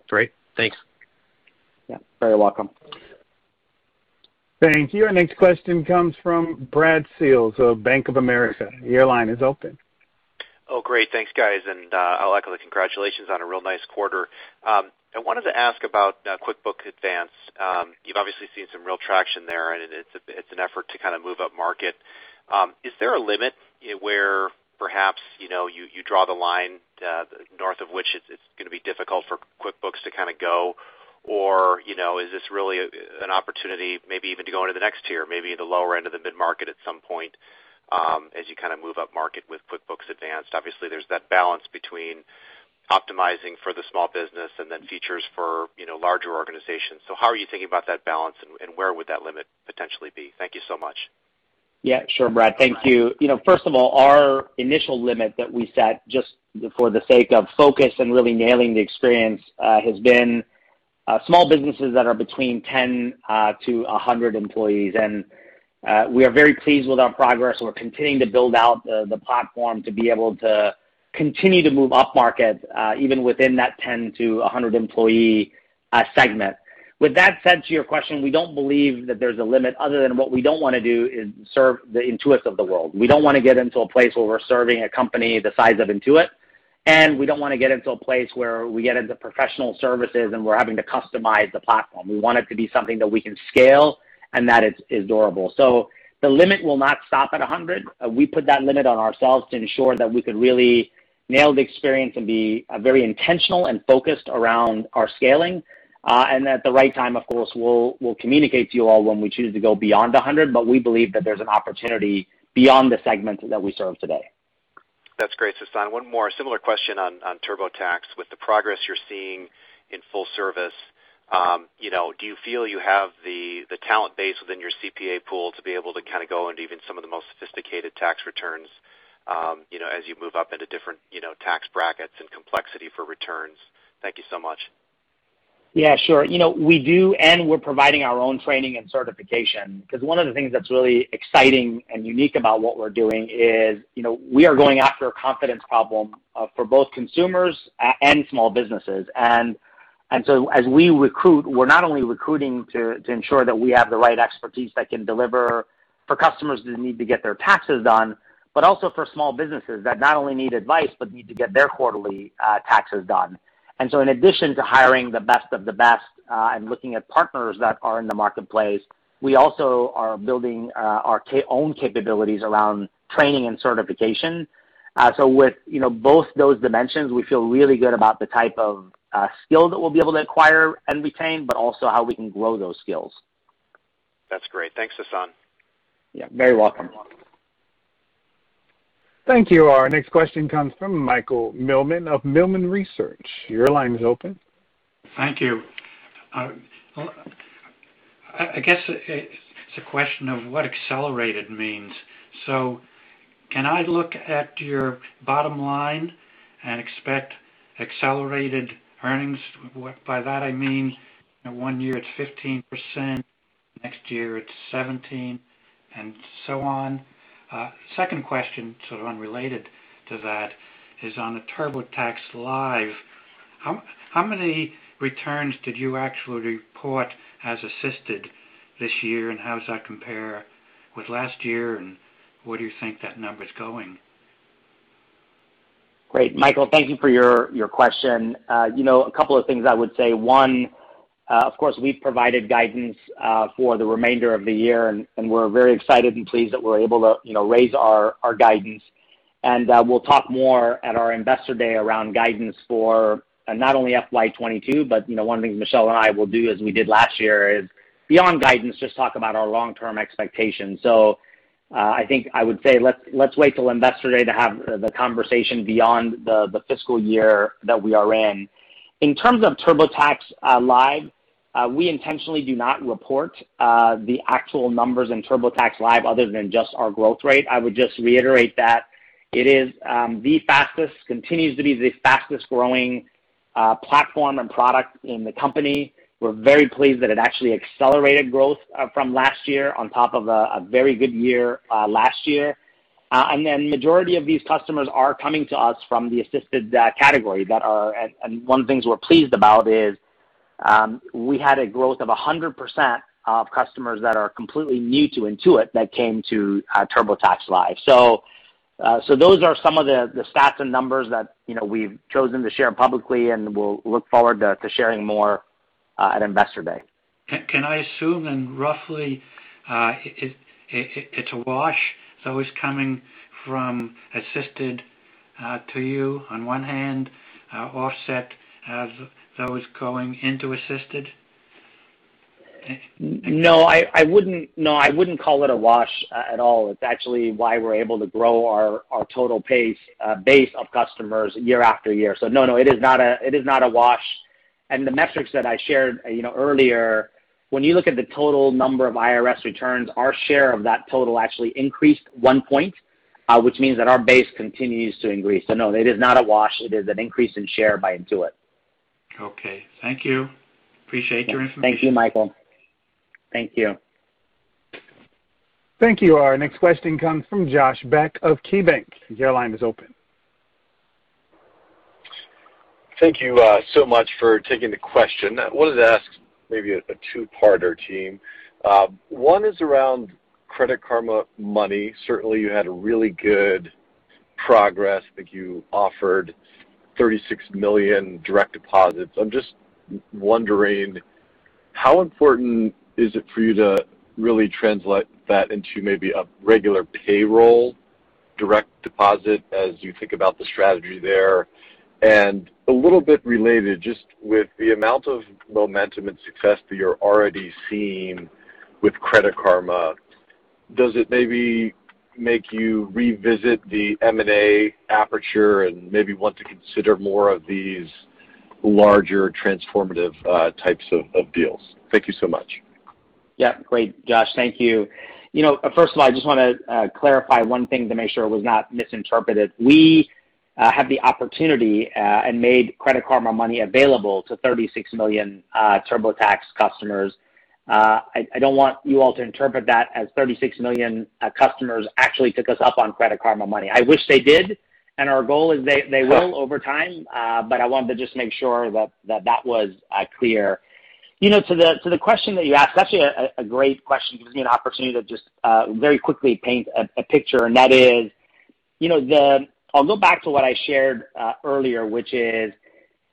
Great. Thanks. Yeah, very welcome. Thank you. Our next question comes from Brad Sills of Bank of America, your line is open. Oh, great. Thanks, guys. I'll echo the congratulations on a real nice quarter. I wanted to ask about QuickBooks Advanced. You've obviously seen some real traction there, and it's an effort to kind of move up market. Is there a limit where perhaps you draw the line north of which it's going to be difficult for QuickBooks to kind of go, or is this really an opportunity maybe even to go into the next tier, maybe the lower end of the mid-market at some point as you kind of move up market with QuickBooks Advanced? Obviously, there's that balance between optimizing for the small business and then features for larger organizations. How are you thinking about that balance, and where would that limit potentially be? Thank you so much. Yeah, sure, Brad. Thank you. First of all, our initial limit that we set just for the sake of focus and really nailing the experience has been small businesses that are between 10 employees-100 employees. We are very pleased with our progress. We're continuing to build out the platform to be able to continue to move up market even within that 10 employees-100 employee segment. With that said, to your question, we don't believe that there's a limit other than what we don't want to do is serve the Intuit of the world. We don't want to get into a place where we're serving a company the size of Intuit, and we don't want to get into a place where we get into professional services and we're having to customize the platform. We want it to be something that we can scale and that is durable. The limit will not stop at 100 employees. We put that limit on ourselves to ensure that we could really nail the experience and be very intentional and focused around our scaling. At the right time, of course, we'll communicate to you all when we choose to go beyond 100 employees, but we believe that there's an opportunity beyond the segment that we serve today. That's great, Sasan. One more similar question on TurboTax. With the progress you're seeing in full service, do you feel you have the talent base within your CPA pool to be able to go into even some of the most sophisticated tax returns, as you move up into different tax brackets and complexity for returns? Thank you so much. Yeah, sure. We're providing our own training and certification, because one of the things that's really exciting and unique about what we're doing is, we are going after a confidence problem for both consumers and small businesses. As we recruit, we're not only recruiting to ensure that we have the right expertise that can deliver for customers who need to get their taxes done, but also for small businesses that not only need advice but need to get their quarterly taxes done. In addition to hiring the best of the best, and looking at partners that are in the marketplace, we also are building our own capabilities around training and certification. With both those dimensions, we feel really good about the type of skill that we'll be able to acquire and retain, but also how we can grow those skills. That's great. Thanks, Sasan. Yeah, very welcome. Thank you. Our next question comes from Michael Millman of Millman Research, your line is open. Thank you. I guess it's a question of what accelerated means. Can I look at your bottom line and expect accelerated earnings? By that I mean one year it's 15%, next year it's 17%, and so on. Second question, sort of unrelated to that, is on the TurboTax Live. How many returns did you actually report as assisted this year, and how does that compare with last year, and where do you think that number's going? Great. Michael, thank you for your question. A couple of things I would say. One, of course, we've provided guidance for the remainder of the year, and we're very excited and pleased that we're able to raise our guidance. We'll talk more at our Investor Day around guidance for not only FY 2022, but one thing Michelle and I will do, as we did last year, is beyond guidance, just talk about our long-term expectations. I think I would say let's wait till Investor Day to have the conversation beyond the fiscal year that we are in. In terms of TurboTax Live, we intentionally do not report the actual numbers in TurboTax Live other than just our growth rate. I would just reiterate that it continues to be the fastest-growing platform and product in the company. We're very pleased that it actually accelerated growth from last year on top of a very good year last year. The majority of these customers are coming to us from the Assisted category. One of the things we're pleased about is we had a growth of 100% of customers that are completely new to Intuit that came to TurboTax Live. Those are some of the stats and numbers that we've chosen to share publicly, and we'll look forward to sharing more at Investor Day. Can I assume then roughly it's a wash, those coming from Assisted to you on one hand, offset as those going into Assisted? I wouldn't call it a wash at all. It's actually why we're able to grow our total base of customers year-after-year. No, it is not a wash. The metrics that I shared earlier, when you look at the total number of IRS returns, our share of that total actually increased one point, which means that our base continues to increase. No, it is not a wash. It is an increase in share by Intuit. Okay. Thank you. Appreciate your insight. Thank you, Michael. Thank you. Thank you. Our next question comes from Josh Beck of KeyBank, your line is open. Thank you so much for taking the question. It was maybe a two-parter, team. One is around Credit Karma Money. Certainly, you had really good progress. I think you offered 36 million direct deposits. I'm just wondering how important is it for you to really translate that into maybe a regular payroll direct deposit as you think about the strategy there? A little bit related, just with the amount of momentum and success that you're already seeing with Credit Karma, does it maybe make you revisit the M&A aperture and maybe want to consider more of these larger transformative types of deals? Thank you so much. Yeah. Great, Josh. Thank you. First of all, I just want to clarify one thing to make sure it was not misinterpreted. We had the opportunity and made Credit Karma Money available to 36 million TurboTax customers. I don't want you all to interpret that as 36 million customers actually took us up on Credit Karma Money. I wish they did, and our goal is they will over time, but I wanted to just make sure that that was clear. The question that you asked, actually a great question. Gives me an opportunity to just very quickly paint a picture, and that is, I'll go back to what I shared earlier, which is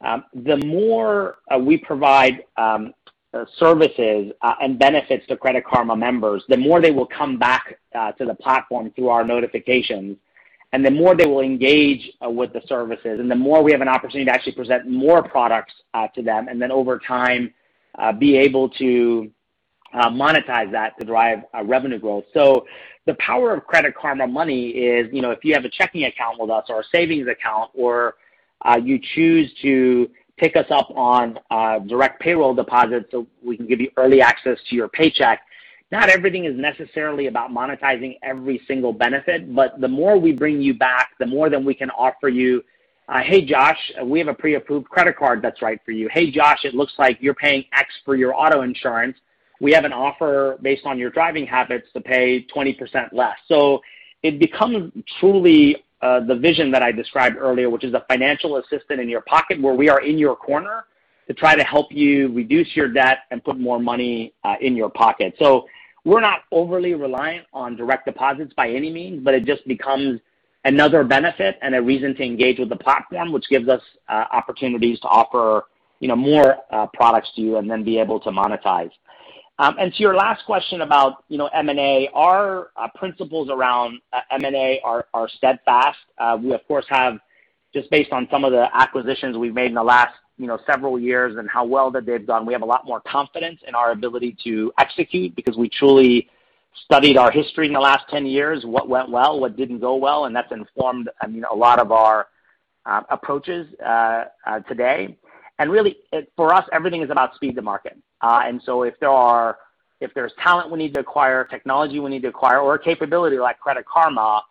the more we provide services and benefits to Credit Karma members, the more they will come back to the platform through our notifications. The more they will engage with the services, and the more we have an opportunity to actually present more products to them, and then over time, be able to monetize that to drive revenue growth. The power of Credit Karma Money is, if you have a checking account with us or a savings account, or you choose to take us up on direct payroll deposits so we can give you early access to your paycheck, not everything is necessarily about monetizing every single benefit, but the more we bring you back, the more that we can offer you, Hey, Josh, we have a pre-approved credit card that's right for you. Hey, Josh, it looks like you're paying X for your auto insurance. We have an offer based on your driving habits to pay 20% less. It becomes truly the vision that I described earlier, which is a financial assistant in your pocket where we are in your corner to try to help you reduce your debt and put more money in your pocket. We're not overly reliant on direct deposits by any means, but it just becomes another benefit and a reason to engage with the platform, which gives us opportunities to offer more products to you and then be able to monetize. To your last question about M&A, our principles around M&A are steadfast. We, of course, have just based on some of the acquisitions we've made in the last several years and how well that they've done, we have a lot more confidence in our ability to execute because we truly studied our history in the last 10 years, what went well, what didn't go well, and that's informed a lot of our approaches today. Really, for us, everything is about speed to market. If there's talent we need to acquire, technology we need to acquire, or capability like Credit Karma,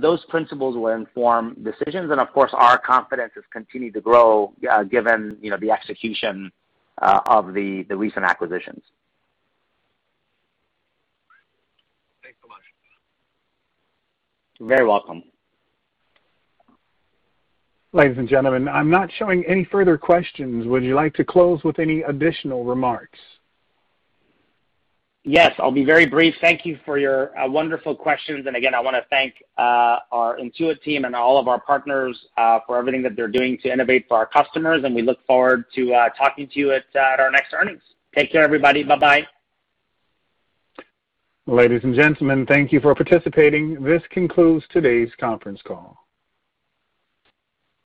those principles will inform decisions. Of course, our confidence has continued to grow given the execution of the recent acquisitions. Thanks so much. You're very welcome. Ladies and gentlemen, I'm not showing any further questions. Would you like to close with any additional remarks? Yes, I'll be very brief. Thank you for your wonderful questions. Again, I want to thank our Intuit team and all of our partners for everything that they're doing to innovate for our customers. We look forward to talking to you at our next earnings. Take care, everybody. Bye-bye. Ladies and gentlemen, thank you for participating. This concludes today's conference call.